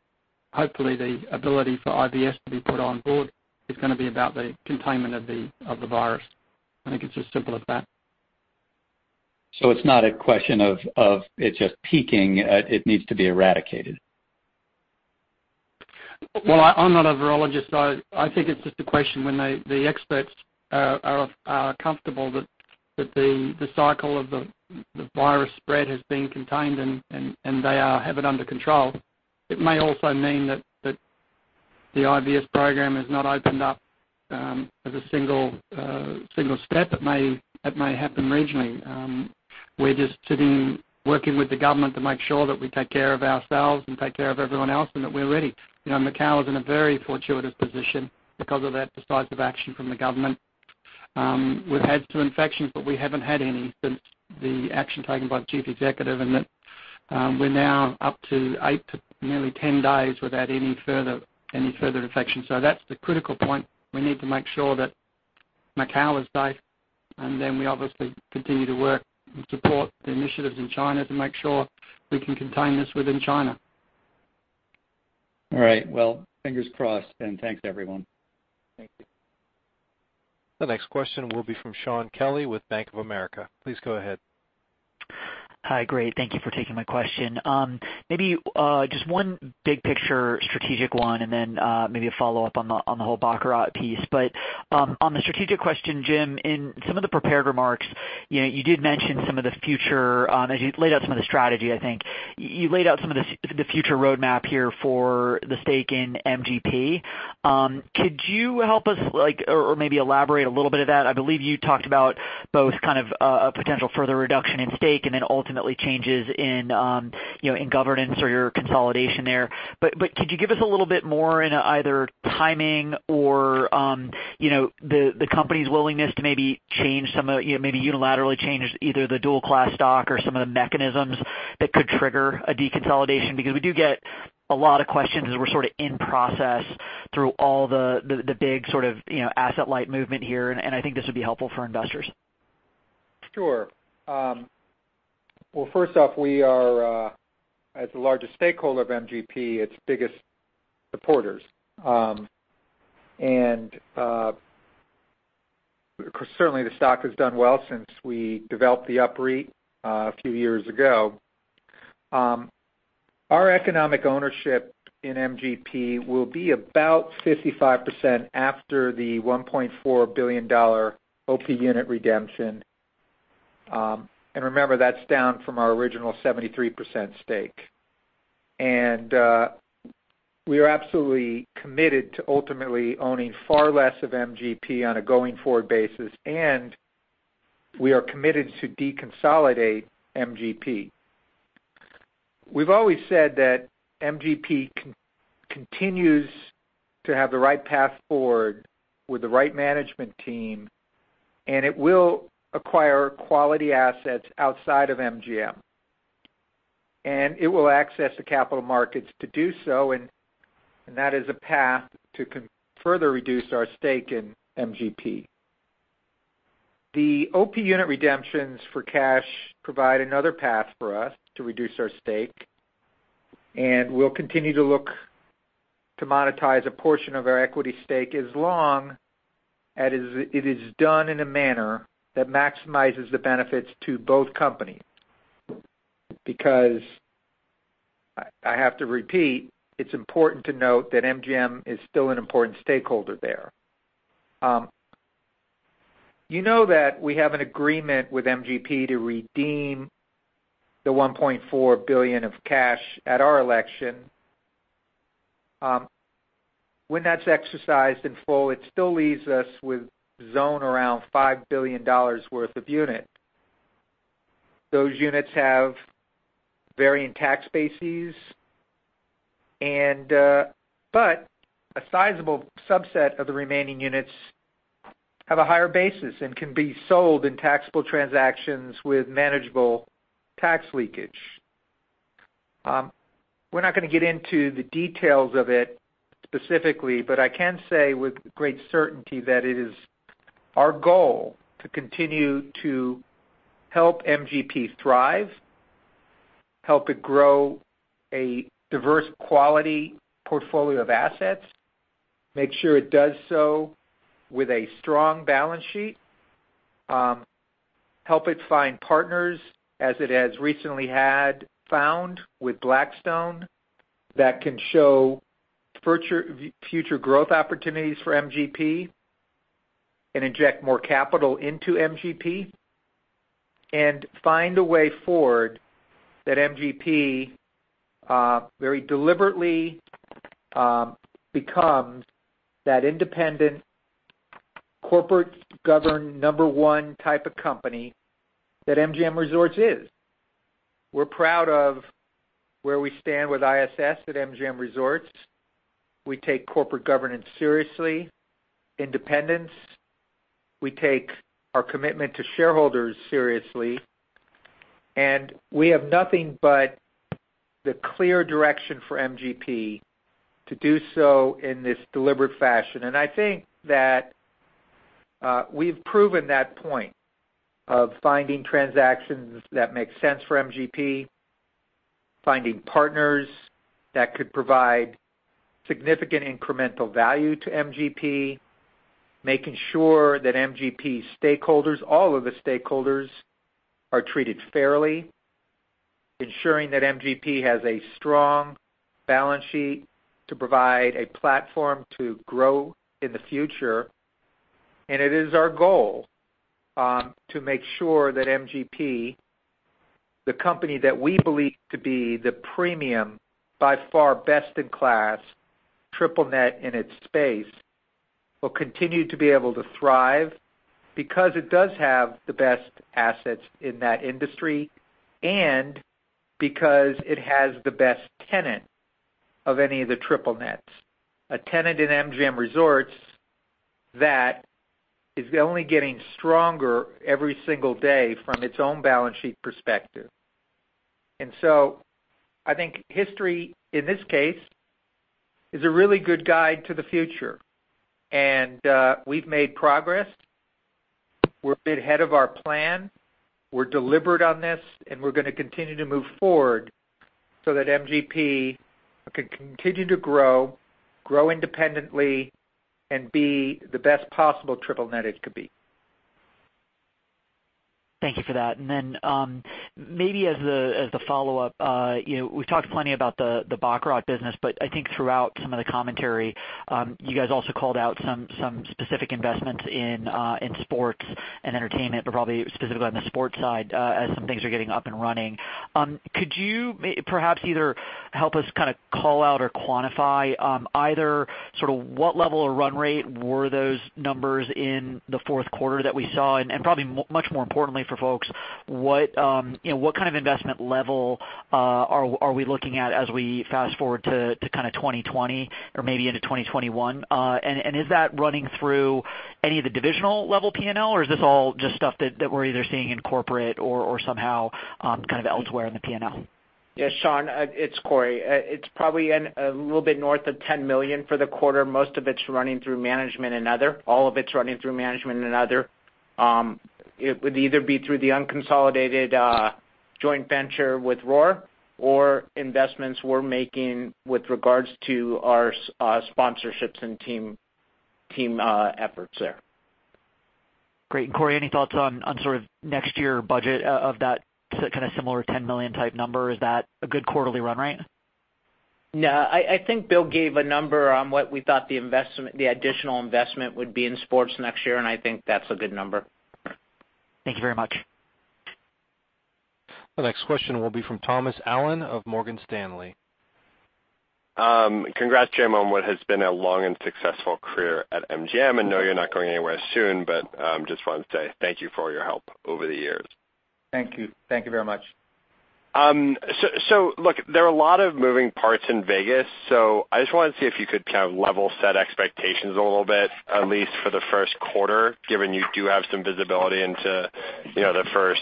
hopefully the ability for IVS to be put on board is going to be about the containment of the virus. I think it's as simple as that. It's not a question of it just peaking. It needs to be eradicated Well, I'm not a virologist. I think it's just a question when the experts are comfortable that the cycle of the coronavirus spread has been contained, and they have it under control. It may also mean that the IVS program has not opened up as a single step. It may happen regionally. We're just sitting, working with the government to make sure that we take care of ourselves and take care of everyone else, and that we're ready. Macau is in a very fortuitous position because of the decisive action from the government. We've had two infections, but we haven't had any since the action taken by the chief executive, and that we're now up to eight, to nearly 10 days without any further infections. That's the critical point. We need to make sure that Macau is safe, and then we obviously continue to work and support the initiatives in China to make sure we can contain this within China. All right. Well, fingers crossed, and thanks, everyone. Thank you. The next question will be from Shaun Kelley with Bank of America. Please go ahead. Hi. Great. Thank you for taking my question. Maybe just one big picture strategic one, and then maybe a follow-up on the whole baccarat piece. On the strategic question, Jim, in some of the prepared remarks, as you laid out some of the strategy, I think, you laid out some of the future roadmap here for the stake in MGP. Could you help us or maybe elaborate a little bit of that? I believe you talked about both kind of a potential further reduction in stake and then ultimately changes in governance or your consolidation there. Could you give us a little bit more in either timing or the company's willingness to maybe unilaterally change either the dual class stock or some of the mechanisms that could trigger a deconsolidation? We do get a lot of questions as we're sort of in process through all the big sort of asset light movement here, and I think this would be helpful for investors. Sure. Well, first off, we are, as the largest stakeholder of MGP, its biggest supporters. Certainly the stock has done well since we developed the MGP a few years ago. Our economic ownership in MGP will be about 55% after the $1.4 billion OP unit redemption. Remember, that's down from our original 73% stake. We are absolutely committed to ultimately owning far less of MGP on a going forward basis, and we are committed to deconsolidate MGP. We've always said that MGP continues to have the right path forward with the right management team, and it will acquire quality assets outside of MGM. It will access the capital markets to do so, and that is a path to further reduce our stake in MGP. The OP unit redemptions for cash provide another path for us to reduce our stake, and we'll continue to look to monetize a portion of our equity stake as long as it is done in a manner that maximizes the benefits to both companies. I have to repeat, it's important to note that MGM is still an important stakeholder there. You know that we have an agreement with MGP to redeem the $1.4 billion of cash at our election. When that's exercised in full, it still leaves us with some around $5 billion worth of units. Those units have varying tax bases, but a sizable subset of the remaining units have a higher basis and can be sold in taxable transactions with manageable tax leakage. We're not going to get into the details of it specifically, but I can say with great certainty that it is our goal to continue to help MGP thrive, help it grow a diverse quality portfolio of assets, make sure it does so with a strong balance sheet, help it find partners as it has recently had found with Blackstone that can show future growth opportunities for MGP and inject more capital into MGP. Find a way forward that MGP very deliberately becomes that independent, corporate-governed, number one type of company that MGM Resorts is. We're proud of where we stand with Institutional Shareholder Services at MGM Resorts. We take corporate governance seriously, independence. We take our commitment to shareholders seriously, and we have nothing but the clear direction for MGP to do so in this deliberate fashion. I think that we've proven that point of finding transactions that make sense for MGP, finding partners that could provide significant incremental value to MGP, making sure that MGP stakeholders, all of the stakeholders, are treated fairly. Ensuring that MGP has a strong balance sheet to provide a platform to grow in the future. It is our goal to make sure that MGP, the company that we believe to be the premium by far best in class triple net in its space, will continue to be able to thrive because it does have the best assets in that industry and because it has the best tenant of any of the triple nets. A tenant in MGM Resorts that is only getting stronger every single day from its own balance sheet perspective. I think history, in this case, is a really good guide to the future. We've made progress. We're a bit ahead of our plan. We're deliberate on this, and we're going to continue to move forward so that MGP can continue to grow independently, and be the best possible triple net it could be. Thank you for that. Then, maybe as the follow-up, we've talked plenty about the baccarat business, but I think throughout some of the commentary, you guys also called out some specific investments in sports and entertainment, but probably specifically on the sports side, as some things are getting up and running. Could you perhaps either help us call out or quantify either sort of what level of run rate were those numbers in the fourth quarter that we saw? Probably much more importantly for folks, what kind of investment level are we looking at as we fast-forward to 2020 or maybe into 2021? Is that running through any of the divisional level P&L, or is this all just stuff that we're either seeing in corporate or somehow elsewhere in the P&L? Yes, Shaun, it's Corey. It's probably a little bit north of $10 million for the quarter. Most of it's running through management and other. All of it's running through management and other. It would either be through the unconsolidated joint venture with Roar or investments we're making with regards to our sponsorships and team efforts there. Great. Corey, any thoughts on next year budget of that kind of similar $10 million type number? Is that a good quarterly run rate? No, I think Bill gave a number on what we thought the additional investment would be in sports next year, and I think that's a good number. Thank you very much. The next question will be from Thomas Allen of Morgan Stanley. Congrats, Jim, on what has been a long and successful career at MGM, and know you're not going anywhere soon, but just wanted to say thank you for all your help over the years. Thank you. Thank you very much. Look, there are a lot of moving parts in Vegas, I just wanted to see if you could kind of level set expectations a little bit, at least for the first quarter, given you do have some visibility into the first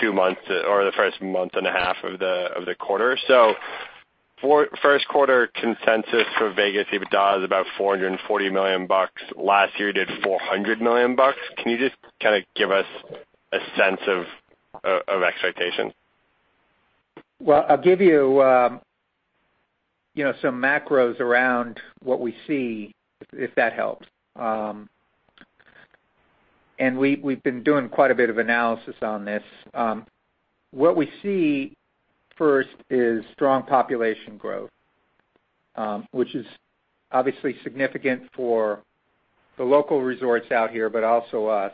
two months or the first month and a half of the quarter. For first quarter consensus for Vegas, EBITDA is about $440 million. Last year, you did $400 million. Can you just kind of give us a sense of expectations? Well, I'll give you some macros around what we see, if that helps. We've been doing quite a bit of analysis on this. What we see first is strong population growth, which is obviously significant for the local resorts out here, but also us.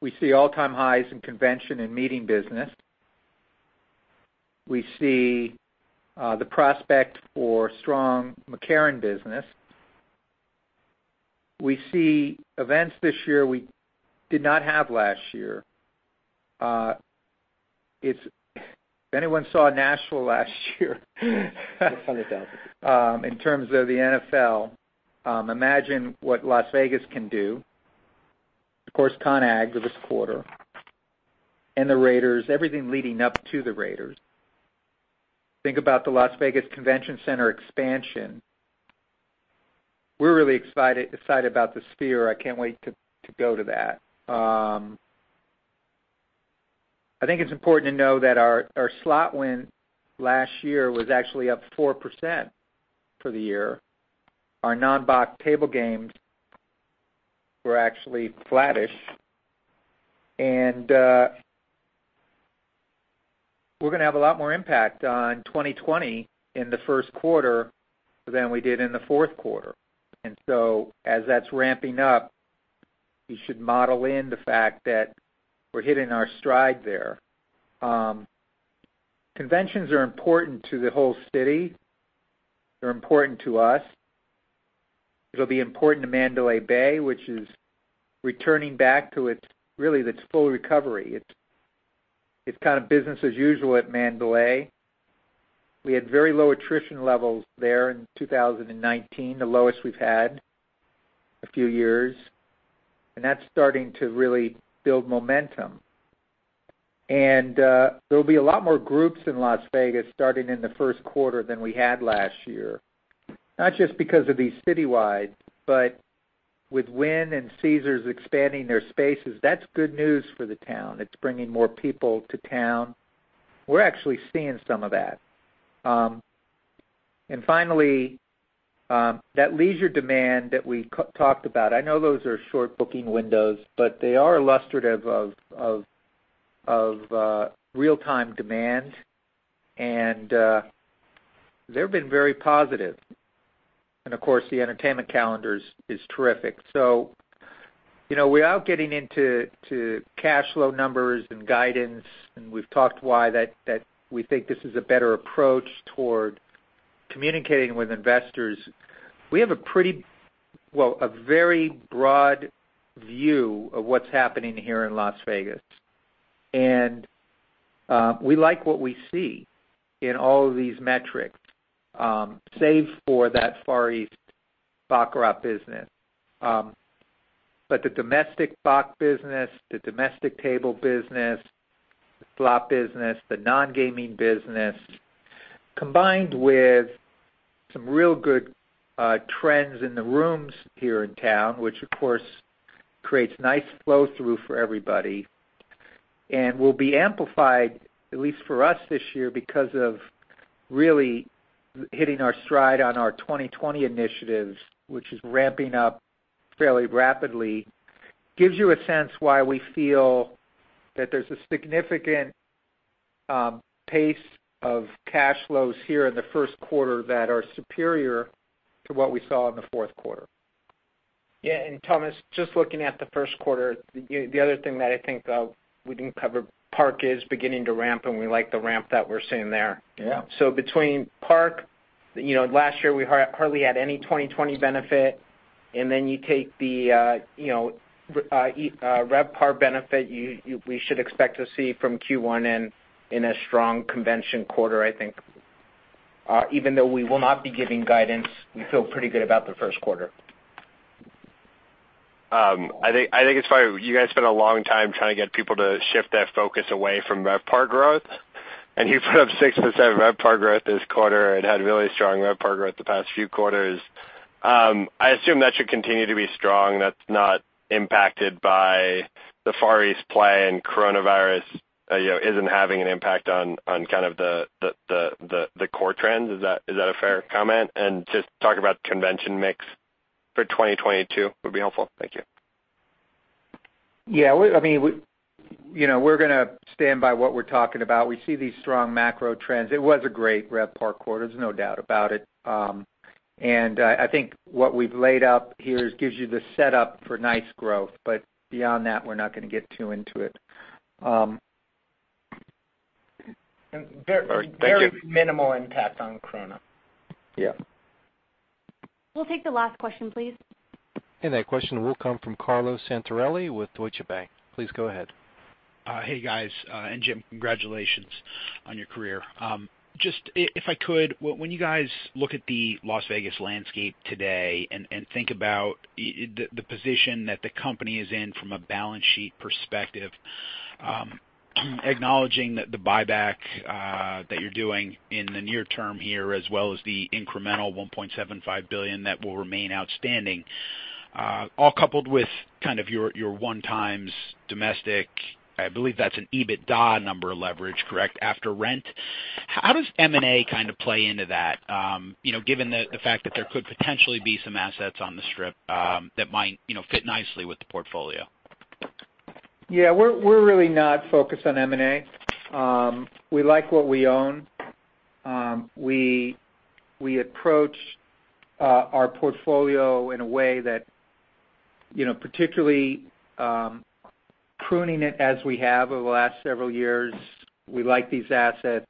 We see all-time highs in convention and meeting business. We see the prospect for strong McCarran business. We see events this year we did not have last year. If anyone saw Nashville last year in terms of the NFL, imagine what Las Vegas can do. Of course, CON/AGG this quarter, and the Raiders, everything leading up to the Raiders. Think about the Las Vegas Convention Center expansion. We're really excited about the Sphere. I can't wait to go to that. I think it's important to know that our slot win last year was actually up 4% for the year. Our non-bac table games were actually flattish. We're going to have a lot more impact on 2020 in the first quarter than we did in the fourth quarter. As that's ramping up, you should model in the fact that we're hitting our stride there. Conventions are important to the whole city. They're important to us. It'll be important to Mandalay Bay, which is returning back to its full recovery. It's kind of business as usual at Mandalay. We had very low attrition levels there in 2019, the lowest we've had a few years. That's starting to really build momentum. There'll be a lot more groups in Las Vegas starting in the first quarter than we had last year. Not just because of these citywide, but with Wynn and Caesars expanding their spaces, that's good news for the town. It's bringing more people to town. We're actually seeing some of that. Finally, that leisure demand that we talked about, I know those are short booking windows, but they are illustrative of real-time demand, and they've been very positive. Of course, the entertainment calendar is terrific. Without getting into cash flow numbers and guidance, and we've talked why that we think this is a better approach toward communicating with investors, we have a very broad view of what's happening here in Las Vegas. We like what we see in all of these metrics, save for that Far East baccarat business. The domestic bac business, the domestic table business, the slot business, the non-gaming business, combined with some real good trends in the rooms here in town, which, of course, creates nice flow-through for everybody and will be amplified, at least for us this year, because of really hitting our stride on our MGM 2020 initiatives, which is ramping up fairly rapidly, gives you a sense why we feel that there's a significant pace of cash flows here in the first quarter that are superior to what we saw in the fourth quarter. Yeah. Thomas, just looking at the first quarter, the other thing that I think we didn't cover, Park is beginning to ramp, and we like the ramp that we're seeing there. Yeah. Between Park, last year we hardly had any 2020 benefit, you take the RevPAR benefit, we should expect to see from Q1 and in a strong convention quarter, I think. Even though we will not be giving guidance, we feel pretty good about the first quarter. I think it's funny, you guys spent a long time trying to get people to shift their focus away from RevPAR growth. You put up 6% RevPAR growth this quarter and had really strong RevPAR growth the past few quarters. I assume that should continue to be strong. That's not impacted by the Far East play. Coronavirus isn't having an impact on kind of the core trends. Is that a fair comment? Just talk about the convention mix for 2022 would be helpful. Thank you. Yeah. We're going to stand by what we're talking about. We see these strong macro trends. It was a great RevPAR quarter, there's no doubt about it. I think what we've laid out here gives you the setup for nice growth. Beyond that, we're not going to get too into it. And very- All right. Thank you. minimal impact on coronavirus. Yeah. We'll take the last question, please. That question will come from Carlo Santarelli with Deutsche Bank. Please go ahead. Hey, guys. Jim, congratulations on your career. Just, if I could, when you guys look at the Las Vegas landscape today and think about the position that the company is in from a balance sheet perspective, acknowledging that the buyback that you're doing in the near term here as well as the incremental $1.75 billion that will remain outstanding, all coupled with kind of your 1x domestic, I believe that's an EBITDA number leverage, correct, after rent? How does M&A kind of play into that given the fact that there could potentially be some assets on the Strip that might fit nicely with the portfolio? Yeah, we're really not focused on M&A. We like what we own. We approach our portfolio in a way that particularly pruning it as we have over the last several years. We like these assets.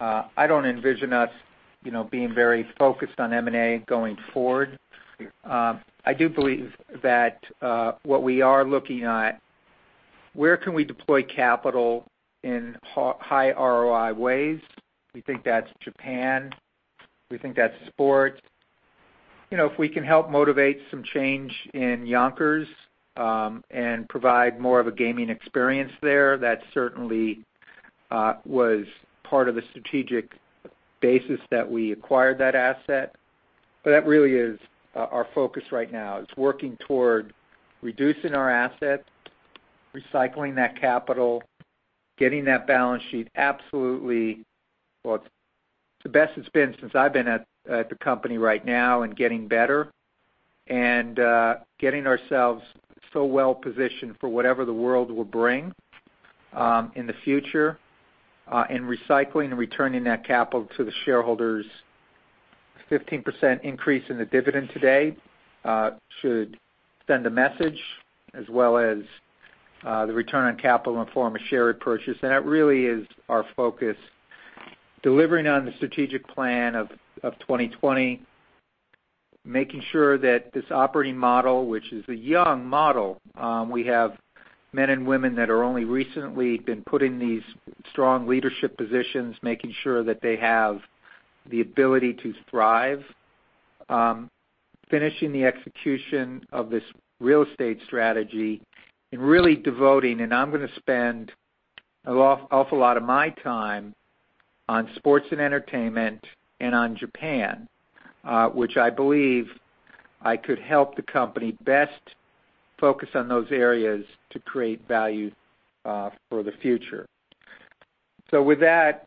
I don't envision us being very focused on M&A going forward. I do believe that what we are looking at, where can we deploy capital in high ROI ways? We think that's Japan. We think that's sports. If we can help motivate some change in Yonkers and provide more of a gaming experience there, that certainly was part of the strategic basis that we acquired that asset. That really is our focus right now is working toward reducing our asset, recycling that capital, getting that balance sheet well, it's the best it's been since I've been at the company right now and getting better and getting ourselves so well-positioned for whatever the world will bring in the future, and recycling and returning that capital to the shareholders. 15% increase in the dividend today should send a message, as well as the return on capital in the form of share repurchase. That really is our focus, delivering on the strategic plan of 2020, making sure that this operating model, which is a young model, we have men and women that are only recently been put in these strong leadership positions, making sure that they have the ability to thrive, finishing the execution of this real estate strategy and really devoting, and I'm going to spend an awful lot of my time on sports and entertainment and on Japan, which I believe I could help the company best focus on those areas to create value for the future. With that,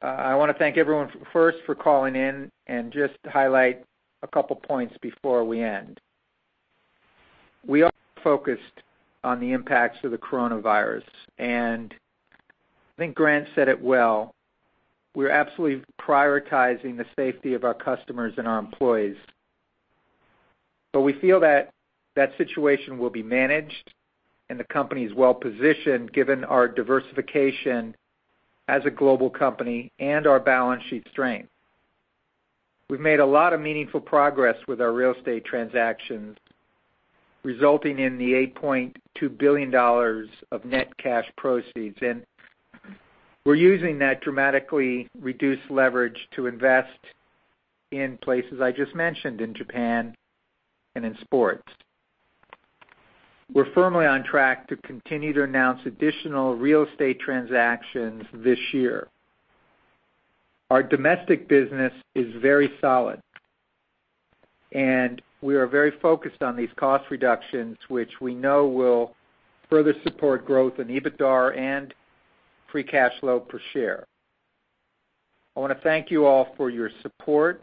I want to thank everyone, first for calling in, and just highlight a couple points before we end. We are focused on the impacts of the coronavirus, and I think Grant said it well. We're absolutely prioritizing the safety of our customers and our employees. We feel that that situation will be managed and the company is well-positioned given our diversification as a global company and our balance sheet strength. We've made a lot of meaningful progress with our real estate transactions, resulting in the $8.2 billion of net cash proceeds. We're using that dramatically reduced leverage to invest in places I just mentioned, in Japan and in sports. We're firmly on track to continue to announce additional real estate transactions this year. Our domestic business is very solid, and we are very focused on these cost reductions, which we know will further support growth in EBITDAR and free cash flow per share. I want to thank you all for your support.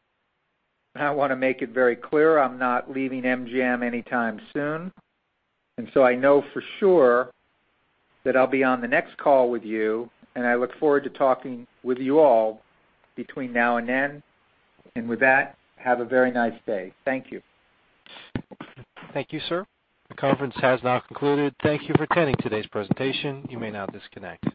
I want to make it very clear I'm not leaving MGM anytime soon. I know for sure that I'll be on the next call with you, and I look forward to talking with you all between now and then. With that, have a very nice day. Thank you. Thank you, sir. The conference has now concluded. Thank you for attending today's presentation. You may now disconnect.